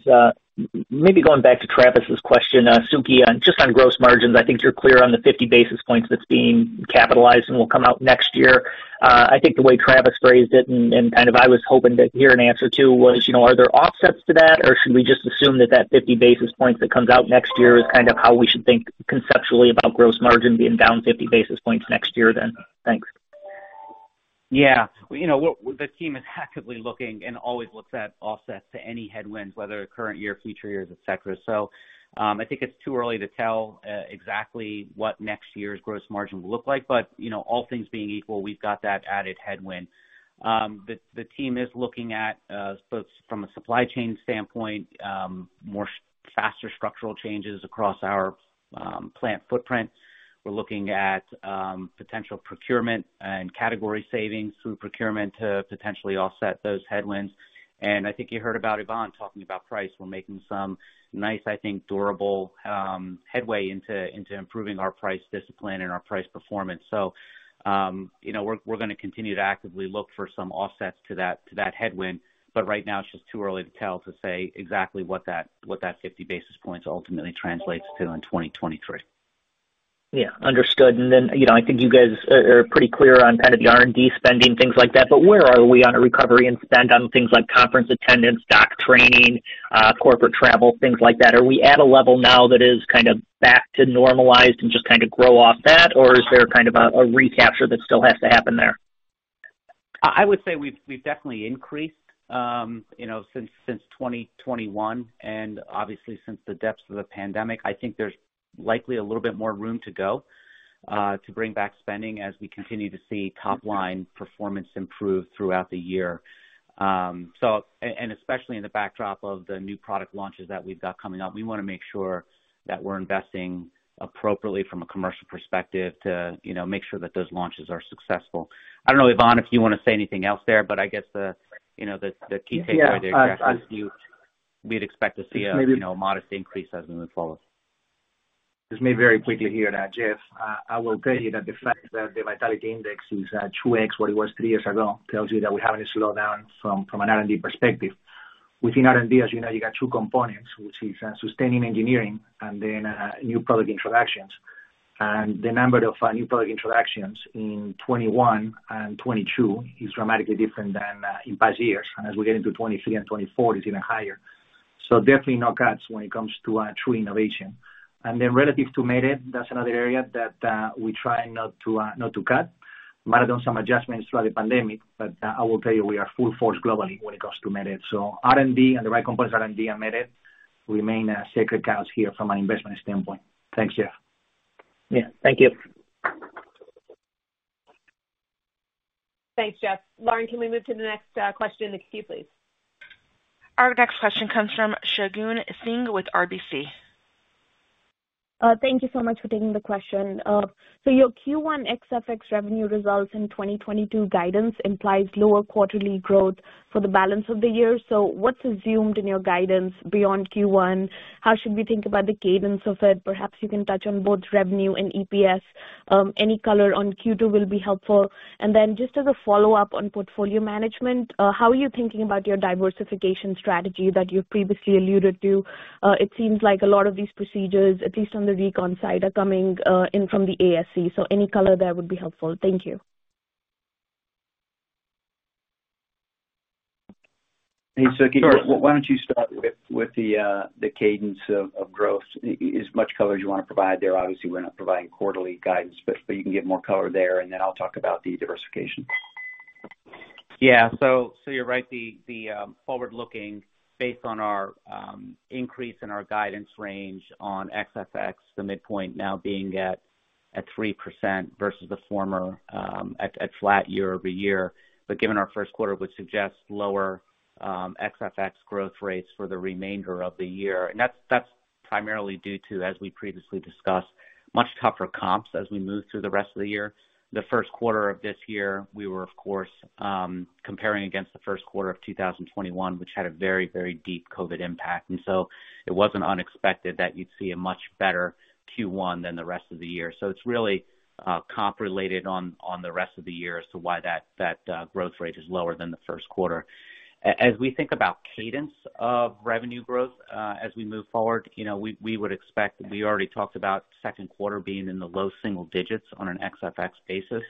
Maybe going back to Travis's question, Suki, on just on gross margins. I think you're clear on the 50 basis points that's being capitalized and will come out next year. I think the way Travis phrased it, and kind of I was hoping to hear an answer to, was, you know, are there offsets to that, or should we just assume that that 50 basis points that comes out next year is kind of how we should think conceptually about gross margin being down 50 basis points next year then? Thanks. Yeah. You know, the team is actively looking and always looks at offsets to any headwinds, whether current year, future years, et cetera. I think it's too early to tell exactly what next year's gross margin will look like. You know, all things being equal, we've got that added headwind. The team is looking at both from a supply chain standpoint more faster structural changes across our plant footprint. We're looking at potential procurement and category savings through procurement to potentially offset those headwinds. I think you heard about Ivan talking about price. We're making some nice, I think, durable headway into improving our price discipline and our price performance. You know, we're going to continue to actively look for some offsets to that headwind. Right now, it's just too early to tell, to say exactly what that 50 basis points ultimately translates to in 2023. Yeah. Understood. You know, I think you guys are pretty clear on kind of the R&D spending, things like that. Where are we on a recovery and spend on things like conference attendance, doc training, corporate travel, things like that? Are we at a level now that is kind of back to normalized and just kind of grow off that? Is there kind of a recapture that still has to happen there? I would say we've definitely increased, you know, since 2021 and obviously since the depths of the pandemic. I think there's likely a little bit more room to go to bring back spending as we continue to see top line performance improve throughout the year. Especially in the backdrop of the new product launches that we've got coming up. We want to make sure that we're investing appropriately from a commercial perspective to, you know, make sure that those launches are successful. I don't know, Ivan, if you want to say anything else there, but I guess you know, the key takeaway there. Yeah. I We'd expect to see. Just maybe- You know, modest increase as we move forward. Just maybe very quickly here, Jeff, I will tell you that the fact that the vitality index is 2x what it was three years ago tells you that we're having a slowdown from an R&D perspective. Within R&D, as you know, you got two components, which is sustaining engineering and then new product introductions. The number of new product introductions in 2021 and 2022 is dramatically different than in past years. As we get into 2023 and 2024, it's even higher. Definitely no cuts when it comes to true innovation. Then relative to MedEd, that's another area that we try not to cut. Might have done some adjustments throughout the pandemic, but I will tell you we are full force globally when it comes to MedEd. R&D and the right components of R&D and MedEd remain sacred cows here from an investment standpoint. Thanks, Jeff. Yeah. Thank you. Thanks, Jeff. Lauren, can we move to the next question in the queue, please? Our next question comes from Shagun Singh with RBC. Thank you so much for taking the question. Your Q1 ex-FX revenue results in 2022 guidance implies lower quarterly growth for the balance of the year. What's assumed in your guidance beyond Q1? How should we think about the cadence of it? Perhaps you can touch on both revenue and EPS. Any color on Q2 will be helpful. Just as a follow-up on portfolio management, how are you thinking about your diversification strategy that you previously alluded to? It seems like a lot of these procedures, at least on the recon side, are coming in from the ASC, so any color there would be helpful. Thank you. Hey, Shagun. Sure. Why don't you start with the cadence of growth? As much color as you want to provide there. Obviously, we're not providing quarterly guidance, but you can give more color there, and then I'll talk about the diversification. Yeah. You're right. The forward-looking based on our increase in our guidance range on ex-FX, the midpoint now being at 3% versus the former at flat year-over-year. Given our first quarter would suggest lower ex-FX growth rates for the remainder of the year. That's primarily due to, as we previously discussed, much tougher comps as we move through the rest of the year. The first quarter of this year, we were of course comparing against the first quarter of 2021, which had a very deep COVID impact. It wasn't unexpected that you'd see a much better Q1 than the rest of the year. It's really comp-related on the rest of the year as to why that growth rate is lower than the first quarter. As we think about cadence of revenue growth, as we move forward, you know, We would expect, as we already discussed, the second quarter being in the low single digits% on an ex-FX basis.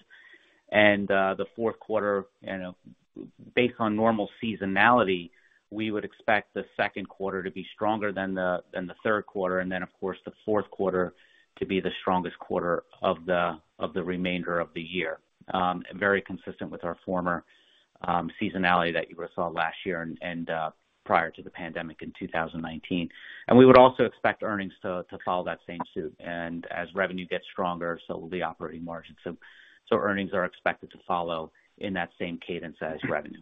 The fourth quarter, you know, based on normal seasonality, we would expect the second quarter to be stronger than the third quarter, and then of course, the fourth quarter to be the strongest quarter of the remainder of the year. Very consistent with our former seasonality that you saw last year and prior to the pandemic in 2019. We would also expect earnings to follow that same suit. As revenue gets stronger, so will the operating margins. Earnings are expected to follow in that same cadence as revenue.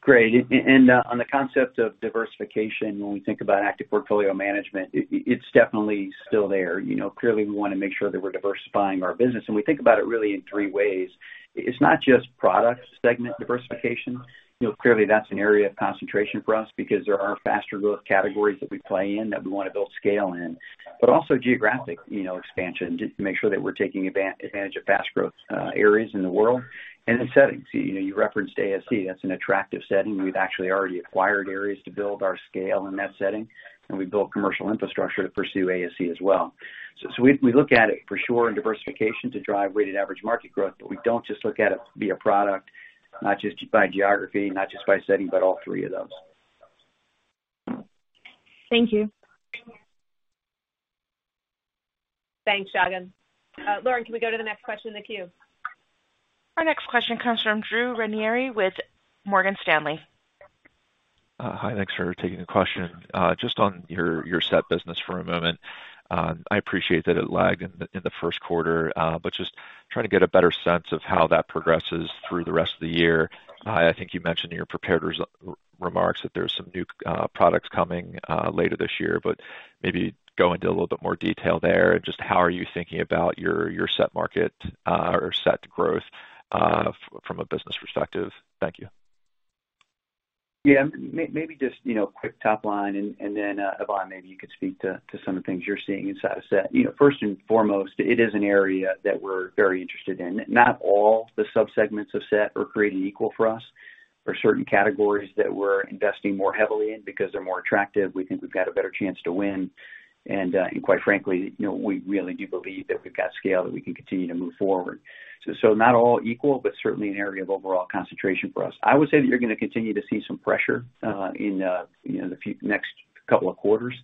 Great. On the concept of diversification, when we think about active portfolio management, it's definitely still there. You know, clearly we want to make sure that we're diversifying our business, and we think about it really in three ways. It's not just product segment diversification. You know, clearly that's an area of concentration for us because there are faster growth categories that we play in, that we want to build scale in, but also geographic, you know, expansion to make sure that we're taking advantage of fast growth areas in the world and the settings. You know, you referenced ASC, that's an attractive setting. We've actually already acquired areas to build our scale in that setting, and we built commercial infrastructure to pursue ASC as well. We look at it for sure in diversification to drive weighted average market growth, but we don't just look at it via product, not just by geography, not just by setting, but all three of those. Thank you. Thanks, Shagun. Lauren, can we go to the next question in the queue? Our next question comes from Drew Ranieri with Morgan Stanley. Hi. Thanks for taking the question. Just on your SET business for a moment. I appreciate that it lagged in the first quarter, but just trying to get a better sense of how that progresses through the rest of the year. I think you mentioned in your prepared remarks that there's some new products coming later this year, but maybe go into a little bit more detail there. Just how are you thinking about your SET market or SET growth from a business perspective? Thank you. Yeah. Maybe just, you know, quick top line and then Ivan, maybe you could speak to some of the things you're seeing inside of SET. You know, first and foremost, it is an area that we're very interested in. Not all the sub-segments of SET are created equal for us. There are certain categories that we're investing more heavily in because they're more attractive. We think we've got a better chance to win. Quite frankly, you know, we really do believe that we've got scale that we can continue to move forward. Not all equal, but certainly an area of overall concentration for us. I would say that you're going to continue to see some pressure in the next couple of quarters.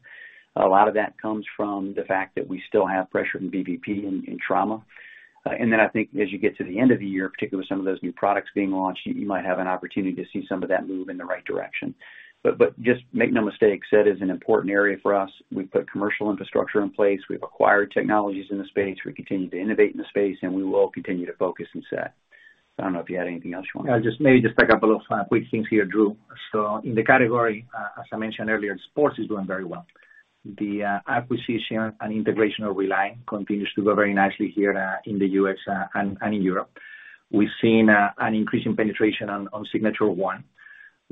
A lot of that comes from the fact that we still have pressure in VBP, in trauma. I think as you get to the end of the year, particularly with some of those new products being launched, you might have an opportunity to see some of that move in the right direction. Just make no mistake, SET is an important area for us. We've put commercial infrastructure in place. We've acquired technologies in the space. We continue to innovate in the space, and we will continue to focus in SET. I don't know if you had anything else you wanted to. I'll just maybe just pick up a little quick things here, Drew. In the category, as I mentioned earlier, sports is doing very well. The acquisition and integration of Relign continues to go very nicely here, in the U.S., and in Europe. We've seen an increase in penetration on Signature ONE.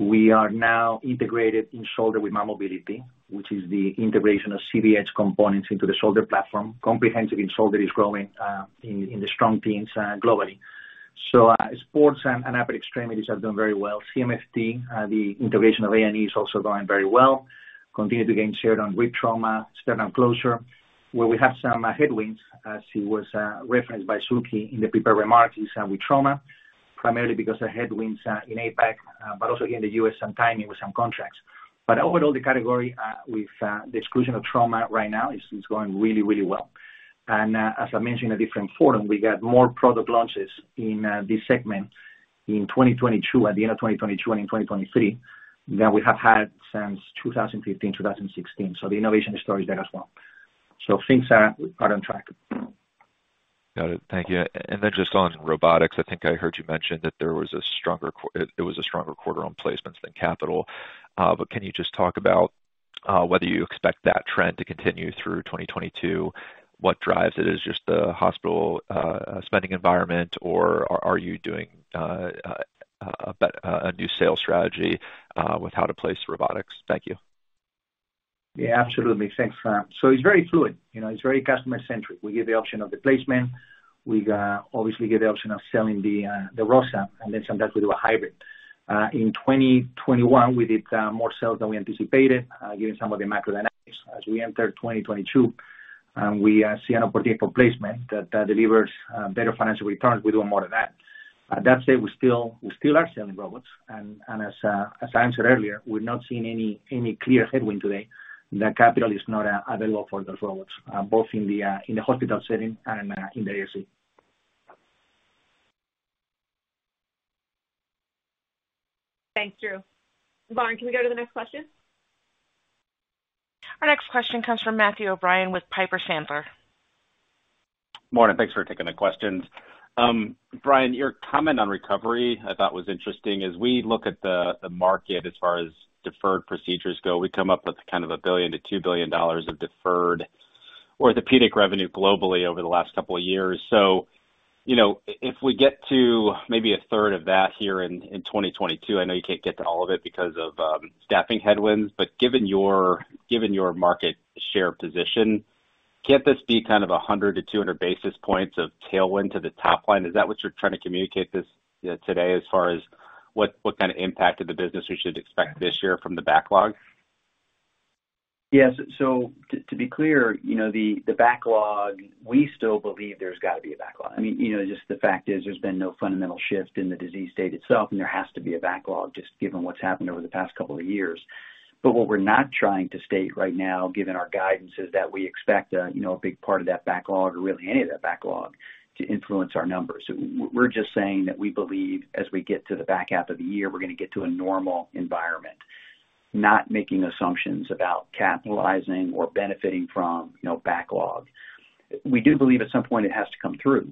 We are now integrated in shoulder with mymobility, which is the integration of CDH components into the shoulder platform. Comprehensive in shoulder is growing in the strong teens globally. Sports and upper extremities are doing very well. CMFT, the integration of A&E is also going very well. Continue to gain share on rib trauma, sternum closure, where we have some headwinds, as it was referenced by Suki in the prepared remarks, is with trauma, primarily because of headwinds in APAC, but also here in the US, some timing with some contracts. Overall, the category with the exclusion of trauma right now is going really well. As I mentioned in a different forum, we got more product launches in this segment in 2022, at the end of 2022 and in 2023 than we have had since 2015, 2016. Things are on track. Got it. Thank you. Just on robotics, I think I heard you mention that there was a stronger quarter on placements than capital. But can you just talk about whether you expect that trend to continue through 2022? What drives it? Is it just the hospital spending environment, or are you doing a new sales strategy with how to place robotics? Thank you. Yeah, absolutely. Thanks. So it's very fluid, you know, it's very customer-centric. We give the option of the placement. We obviously give the option of selling the ROSA, and then sometimes we do a hybrid. In 2021, we did more sales than we anticipated, given some of the macro dynamics. As we entered 2022, we see an opportunity for placement that delivers better financial returns. We're doing more of that. That said, we still are selling robots. As I answered earlier, we've not seen any clear headwind today that capital is not available for those robots, both in the hospital setting and in the ASC. Thanks, Drew. Lauren, can we go to the next question? Our next question comes from Matthew O'Brien with Piper Sandler. Morning. Thanks for taking the questions. Bryan, your comment on recovery I thought was interesting. As we look at the market, as far as deferred procedures go, we come up with kind of $1 billion-$2 billion of deferred orthopedic revenue globally over the last couple of years. You know, if we get to maybe a third of that here in 2022, I know you can't get to all of it because of staffing headwinds, but given your market share position, can't this be kind of 100-200 basis points of tailwind to the top line? Is that what you're trying to communicate today as far as what kind of impact to the business we should expect this year from the backlog? Yes. To be clear, you know, the backlog, we still believe there's got to be a backlog. I mean, you know, just the fact is there's been no fundamental shift in the disease state itself, and there has to be a backlog just given what's happened over the past couple of years. But what we're not trying to state right now, given our guidance, is that we expect a, you know, a big part of that backlog or really any of that backlog to influence our numbers. We're just saying that we believe as we get to the back half of the year, we're going to get to a normal environment, not making assumptions about capitalizing or benefiting from, you know, backlog. We do believe at some point it has to come through,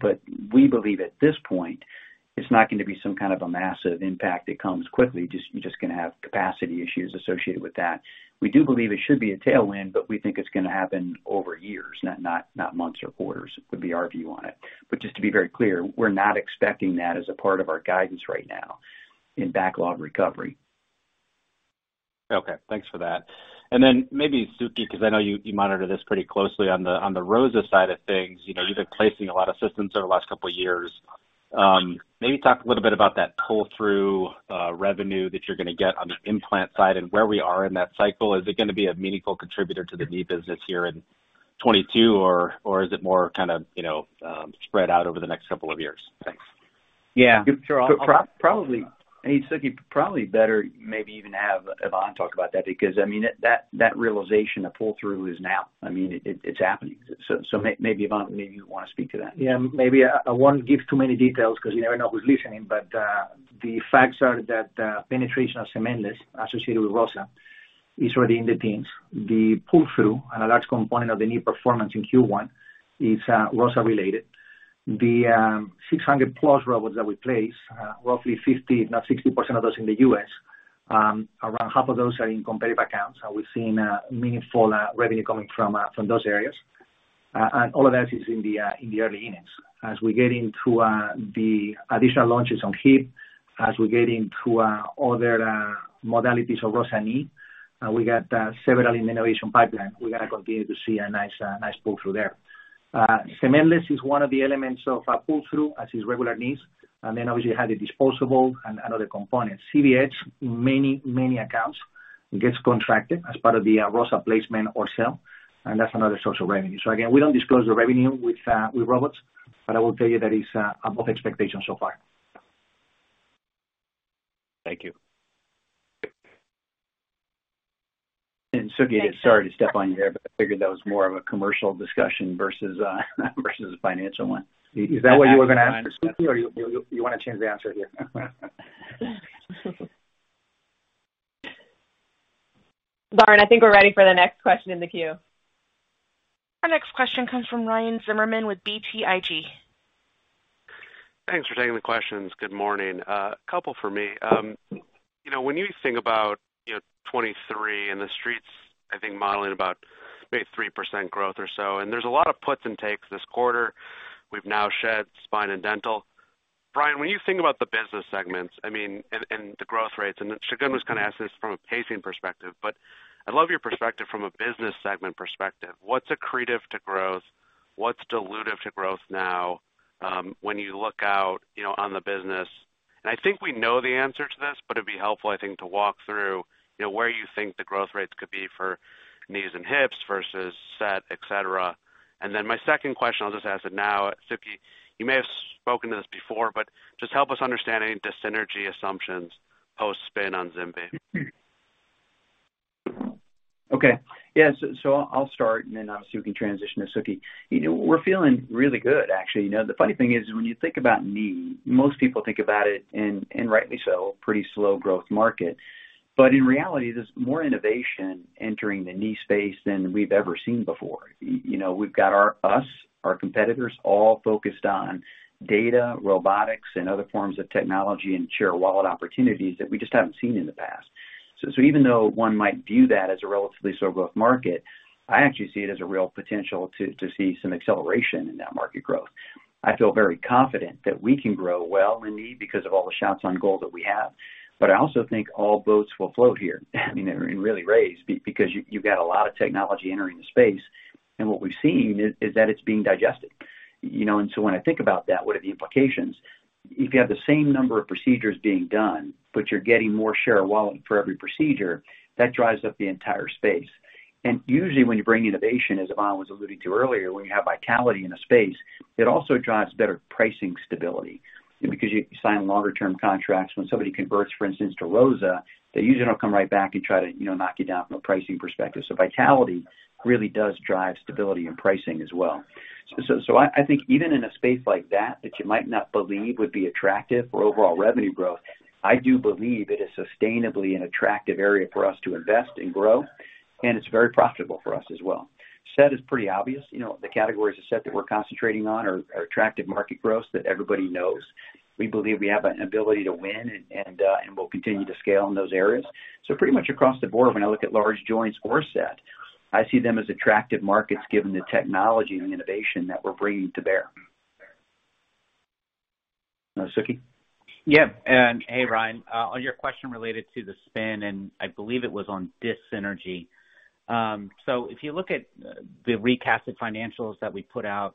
but we believe at this point, it's not going to be some kind of a massive impact that comes quickly. Just, you're just going to have capacity issues associated with that. We do believe it should be a tailwind, but we think it's going to happen over years, not months or quarters, would be our view on it. Just to be very clear, we're not expecting that as a part of our guidance right now in backlog recovery. Okay, thanks for that. Maybe, Sukhi, because I know you monitor this pretty closely on the ROSA side of things. You know, you've been placing a lot of systems over the last couple of years. Maybe talk a little bit about that pull-through revenue that you're going to get on the implant side and where we are in that cycle. Is it going to be a meaningful contributor to the knee business here in 2022, or is it more kind of, you know, spread out over the next couple of years? Thanks. Yeah. Sure. Hey, Sukhi, probably better maybe even have Ivan talk about that because, I mean, that realization of pull-through is now. I mean, it's happening. So, maybe, Ivan, maybe you want to speak to that. Yeah. Maybe I won't give too many details because you never know who's listening. The facts are that penetration of cementless associated with ROSA is already in the teens. The pull-through and a large component of the knee performance in Q1 is ROSA related. The 600+ robots that we place, roughly 50, if not 60% of those in the U.S., around half of those are in competitive accounts, and we're seeing a meaningful revenue coming from those areas. All of that is in the early innings. As we get into the additional launches on Hip, as we get into other modalities of ROSA Knee, we got several in the innovation pipeline. We're going to continue to see a nice pull-through there. Cementless is one of the elements of a pull-through, as is regular knees, and then obviously you have the disposable and other components. CDH, many, many accounts gets contracted as part of the ROSA placement or sale, and that's another source of revenue. Again, we don't disclose the revenue with robots, but I will tell you that it's above expectation so far. Thank you. Sukhi, sorry to step on you there, but I figured that was more of a commercial discussion versus a financial one. Is that what you were going to ask for, Sukhi, or you want to change the answer here? Lauren, I think we're ready for the next question in the queue. Our next question comes from Ryan Zimmerman with BTIG. Thanks for taking the questions. Good morning. Couple for me. You know, when you think about, you know, 2023 and the Street's, I think modeling about maybe 3% growth or so, and there's a lot of puts and takes this quarter. We've now shed spine and dental. Bryan, when you think about the business segments, I mean, the growth rates, and then Shagun was going to ask this from a pacing perspective, but I'd love your perspective from a business segment perspective. What's accretive to growth? What's dilutive to growth now, when you look out, you know, on the business? And I think we know the answer to this, but it'd be helpful, I think, to walk through, you know, where you think the growth rates could be for knees and hips versus SET, et cetera. My second question, I'll just ask it now. Suketu, you may have spoken to this before, but just help us understand any dis-synergy assumptions post-spin on ZimVie? I'll start and then transition to Sukhi. You know, we're feeling really good, actually. You know, the funny thing is when you think about knee, most people think about it, and rightly so, pretty slow growth market. In reality, there's more innovation entering the knee space than we've ever seen before. You know, we've got our competitors all focused on data, robotics and other forms of technology and share-of-wallet opportunities that we just haven't seen in the past. Even though one might view that as a relatively slow growth market, I actually see it as a real potential to see some acceleration in that market growth. I feel very confident that we can grow well in knee because of all the shots on goal that we have. I also think all boats will float here, I mean, and really raise because you've got a lot of technology entering the space. What we've seen is that it's being digested. You know, when I think about that, what are the implications? If you have the same number of procedures being done, but you're getting more share of wallet for every procedure, that drives up the entire space. Usually when you bring innovation, as Ivan was alluding to earlier, when you have vitality in a space, it also drives better pricing stability because you sign longer term contracts. When somebody converts, for instance, to ROSA, they usually don't come right back and try to, you know, knock you down from a pricing perspective. Vitality really does drive stability in pricing as well. I think even in a space like that you might not believe would be attractive for overall revenue growth, I do believe it is sustainably an attractive area for us to invest and grow, and it's very profitable for us as well. SET is pretty obvious. You know, the categories of SET that we're concentrating on are attractive market growth that everybody knows. We believe we have an ability to win and we'll continue to scale in those areas. Pretty much across the board, when I look at large joints or SET, I see them as attractive markets given the technology and innovation that we're bringing to bear. Suky? Yeah. Hey, Ryan, on your question related to the spin, I believe it was on dis-synergy. If you look at the recasted financials that we put out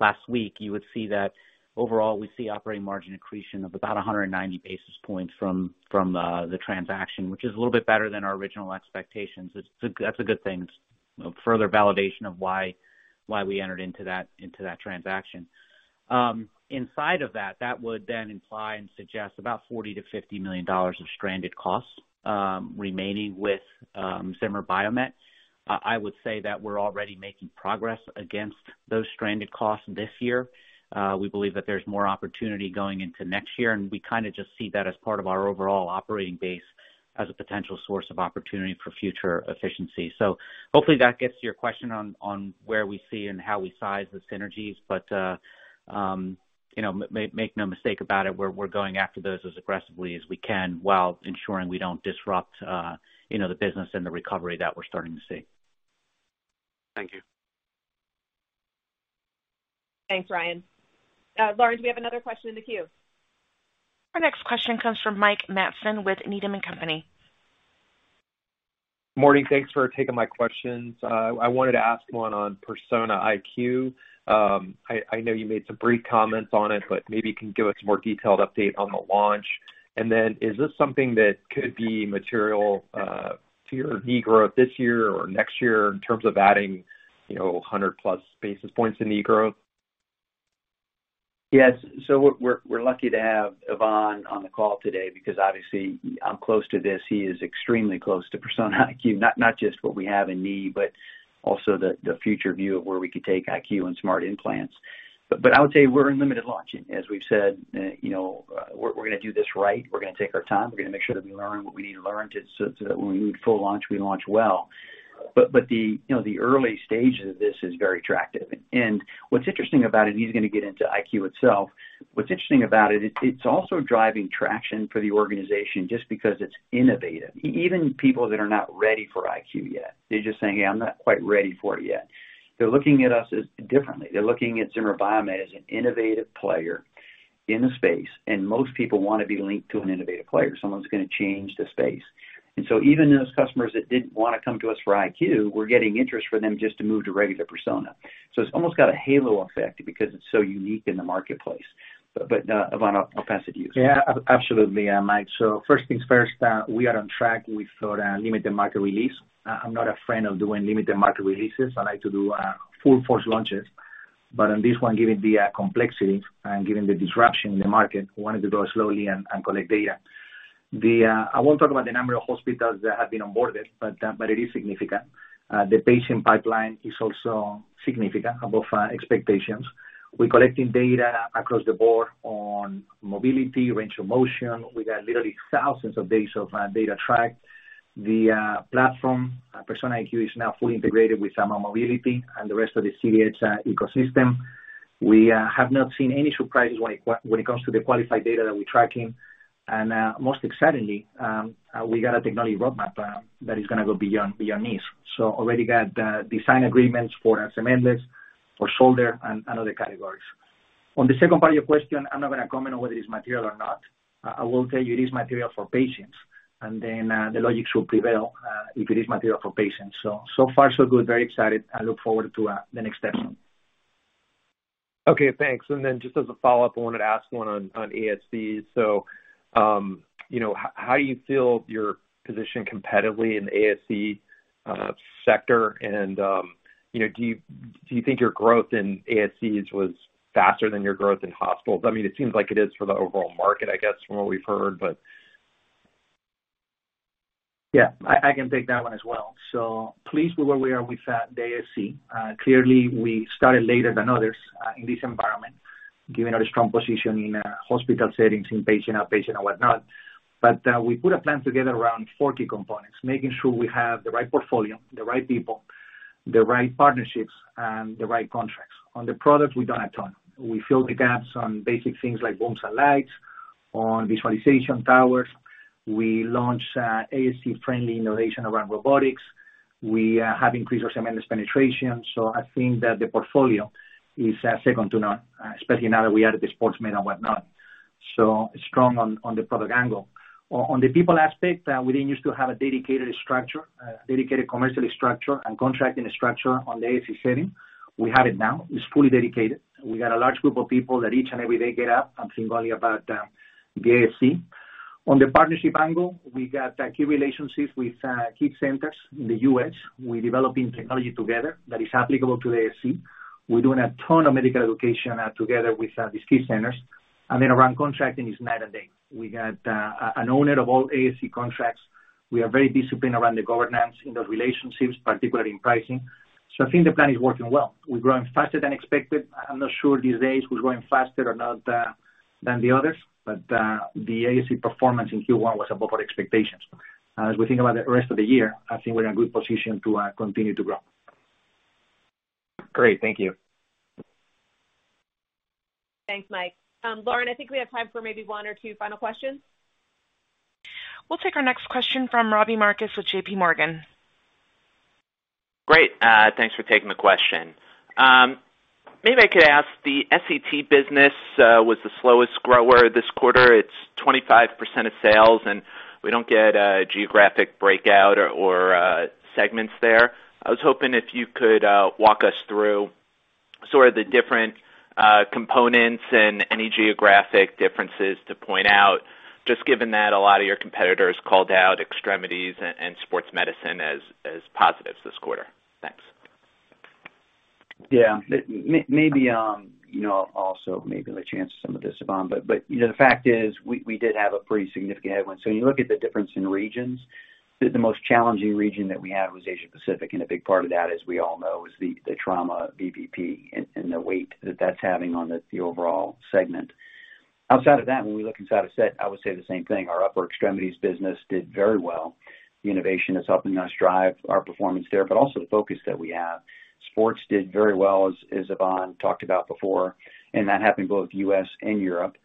last week, you would see that overall we see operating margin accretion of about 190 basis points from the transaction, which is a little bit better than our original expectations. That's a good thing. It's further validation of why we entered into that transaction. Inside of that would then imply and suggest about $40 million-$50 million of stranded costs remaining with Zimmer Biomet. I would say that we're already making progress against those stranded costs this year. We believe that there's more opportunity going into next year, and we kind of just see that as part of our overall operating base as a potential source of opportunity for future efficiency. Hopefully that gets to your question on where we see and how we size the synergies. You know, make no mistake about it, we're going after those as aggressively as we can while ensuring we don't disrupt you know, the business and the recovery that we're starting to see. Thank you. Thanks, Ryan. Lauren, do we have another question in the queue? Our next question comes from Mike Matson with Needham & Company. Morning. Thanks for taking my questions. I wanted to ask one on Persona IQ. I know you made some brief comments on it, but maybe you can give us a more detailed update on the launch. Is this something that could be material to your knee growth this year or next year in terms of adding 100+ basis points in knee growth? Yes. We're lucky to have Ivan on the call today because obviously I'm close to this. He is extremely close to Persona IQ, not just what we have in knee, but also the future view of where we could take IQ and smart implants. I would say we're in limited launching, as we've said. You know, we're going to do this right. We're going to take our time. We're going to make sure that we learn what we need to learn so that when we need full launch, we launch well. The early stages of this is very attractive. You know, what's interesting about it, and he's going to get into IQ itself. What's interesting about it's also driving traction for the organization just because it's innovative. Even people that are not ready for IQ yet, they're just saying, "Hey, I'm not quite ready for it yet." They're looking at us as different. They're looking at Zimmer Biomet as an innovative player in the space, and most people want to be linked to an innovative player, someone who's going to change the space. Even those customers that didn't want to come to us for IQ, we're getting interest for them just to move to regular Persona. It's almost got a halo effect because it's so unique in the marketplace. Ivan, I'll pass it to you. Yeah, absolutely, Mike. First things first, we are on track with sort of limited market release. I'm not a fan of doing limited market releases. I like to do full force launches. On this one, given the complexity and given the disruption in the market, we wanted to go slowly and collect data. I won't talk about the number of hospitals that have been onboarded, but it is significant. The patient pipeline is also significant, above expectations. We're collecting data across the board on mobility, range of motion. We got literally thousands of days of data tracked. The platform, Persona IQ, is now fully integrated with our mymobility and the rest of the CDH ecosystem. We have not seen any surprises when it comes to the qualified data that we're tracking. Most excitingly, we got a technology roadmap that is going to go beyond knees. Already got design agreements for cementless, for shoulder and other categories. On the second part of your question, I'm not going to comment on whether it's material or not. I will tell you it is material for patients, and then the logics will prevail if it is material for patients. So far so good, very excited. I look forward to the next steps. Okay, thanks. Then just as a follow-up, I wanted to ask one on ASC. So, you know, how do you feel you're positioned competitively in the ASC sector? You know, do you think your growth in ASCs was faster than your growth in hospitals? I mean, it seems like it is for the overall market, I guess, from what we've heard, but. Yeah, I can take that one as well. Pleased with where we are with the ASC. Clearly, we started later than others in this environment, given our strong position in hospital settings, inpatient, outpatient and whatnot. We put a plan together around four key components, making sure we have the right portfolio, the right people, the right partnerships, and the right contracts. On the products, we've done a ton. We filled the gaps on basic things like bones and legs, on visualization towers. We launched ASC-friendly innovation around robotics. We have increased our cementless penetration. I think that the portfolio is second to none, especially now that we added the Sports Medicine and whatnot. Strong on the product angle. On the people aspect, we didn't used to have a dedicated structure, dedicated commercial structure and contracting structure on the ASC setting. We have it now. It's fully dedicated. We got a large group of people that each and every day get up and think only about the ASC. On the partnership angle, we got key relationships with key centers in the U.S. We're developing technology together that is applicable to the ASC. We're doing a ton of medical education together with these key centers. Around contracting is night and day. We got an owner of all ASC contracts. We are very disciplined around the governance in those relationships, particularly in pricing. I think the plan is working well. We're growing faster than expected. I'm not sure these days we're growing faster or not than the others, but the ASC performance in Q1 was above our expectations. As we think about the rest of the year, I think we're in a good position to continue to grow. Great. Thank you. Thanks, Mike. Lauren, I think we have time for maybe one or two final questions. We'll take our next question from Robbie Marcus with JP Morgan. Great. Thanks for taking the question. Maybe I could ask, the SET business was the slowest grower this quarter. It's 25% of sales, and we don't get a geographic breakout or segments there. I was hoping if you could walk us through sort of the different components and any geographic differences to point out, just given that a lot of your competitors called out Extremities and Sports Medicine as positives this quarter. Thanks. Yeah. Maybe you know, also maybe the chance some of this, Ivan, but you know, the fact is, we did have a pretty significant headwind. When you look at the difference in regions, the most challenging region that we had was Asia Pacific, and a big part of that, as we all know, is the trauma VBP and the weight that that's having on the overall segment. Outside of that, when we look inside of SET, I would say the same thing. Our upper extremities business did very well. Innovation is helping us drive our performance there, but also the focus that we have. Sports did very well, as Ivan talked about before, and that happened both U.S. and Europe.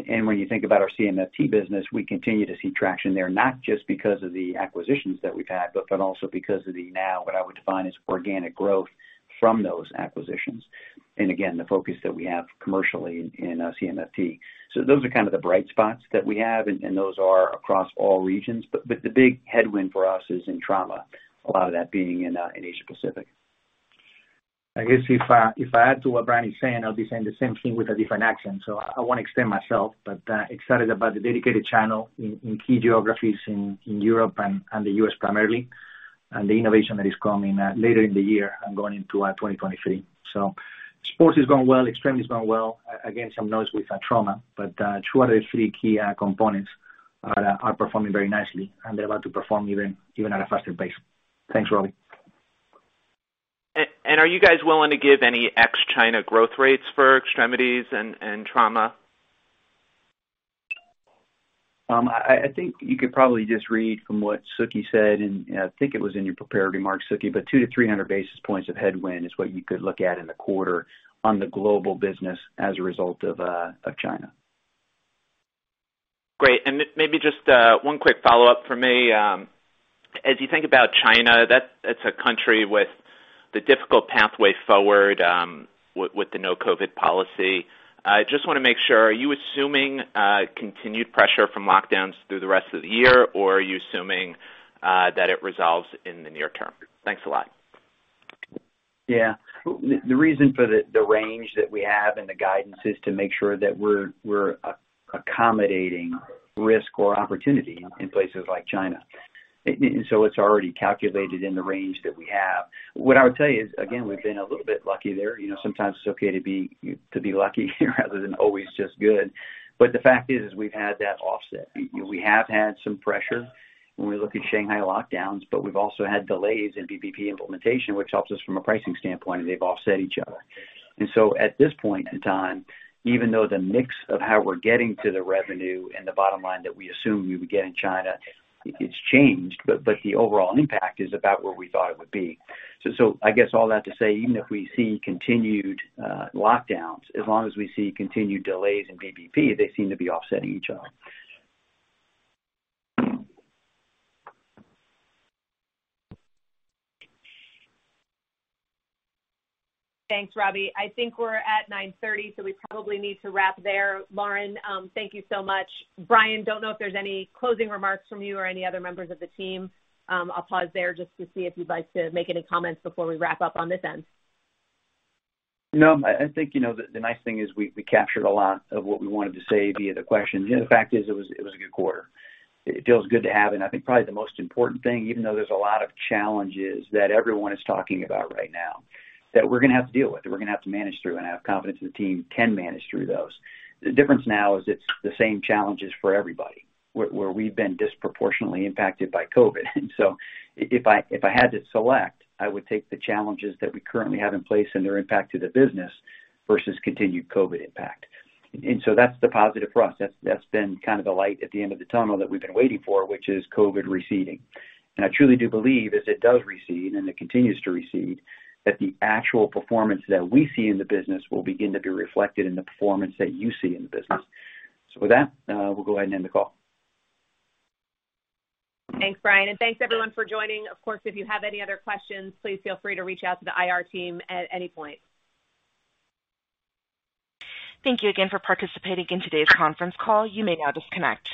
When you think about our CMFT business, we continue to see traction there, not just because of the acquisitions that we've had, but also because of the now what I would define as organic growth from those acquisitions. Again, the focus that we have commercially in CMFT. Those are kind of the bright spots that we have and those are across all regions. The big headwind for us is in trauma, a lot of that being in Asia Pacific. I guess if I add to what Bryan is saying, I'll be saying the same thing with a different accent, so I won't extend myself. Excited about the dedicated channel in key geographies in Europe and the US primarily, and the innovation that is coming later in the year and going into 2023. Sports is going well, extremities going well. Again, some noise with trauma, but two out of three key components are performing very nicely, and they're about to perform even at a faster pace. Thanks, Robbie. Are you guys willing to give any ex-China growth rates for extremities and trauma? I think you could probably just read from what Suki said, and I think it was in your prepared remarks, Suki, but 200-300 basis points of headwind is what you could look at in the quarter on the global business as a result of China. Great. Maybe just one quick follow-up from me. As you think about China, that's a country with a difficult pathway forward with the zero-COVID policy. Just want to make sure, are you assuming continued pressure from lockdowns through the rest of the year, or are you assuming that it resolves in the near term? Thanks a lot. Yeah. The reason for the range that we have in the guidance is to make sure that we're accommodating risk or opportunity in places like China. It's already calculated in the range that we have. What I would tell you is, again, we've been a little bit lucky there. You know, sometimes it's okay to be lucky rather than always just good. The fact is we've had that offset. You know, we have had some pressure when we look at Shanghai lockdowns, but we've also had delays in VBP implementation, which helps us from a pricing standpoint, and they've offset each other. At this point in time, even though the mix of how we're getting to the revenue and the bottom line that we assume we would get in China, it's changed, but the overall impact is about where we thought it would be. So I guess all that to say, even if we see continued lockdowns, as long as we see continued delays in VBP, they seem to be offsetting each other. Thanks, Robbie. I think we're at 9:30, so we probably need to wrap there. Lauren, thank you so much. Bryan, I don't know if there's any closing remarks from you or any other members of the team. I'll pause there just to see if you'd like to make any comments before we wrap up on this end. No, I think, you know, the nice thing is we captured a lot of what we wanted to say via the questions. The fact is it was a good quarter. It feels good to have, and I think probably the most important thing, even though there's a lot of challenges that everyone is talking about right now that we're going to have to deal with, that we're going to have to manage through, and I have confidence in the team can manage through those. The difference now is it's the same challenges for everybody, where we've been disproportionately impacted by COVID. If I had to select, I would take the challenges that we currently have in place and their impact to the business versus continued COVID impact. That's the positive for us. That's been kind of the light at the end of the tunnel that we've been waiting for, which is COVID receding. I truly do believe as it does recede, and it continues to recede, that the actual performance that we see in the business will begin to be reflected in the performance that you see in the business. With that, we'll go ahead and end the call. Thanks, Bryan, and thanks everyone for joining. Of course, if you have any other questions, please feel free to reach out to the IR team at any point. Thank you again for participating in today's conference call. You may now disconnect.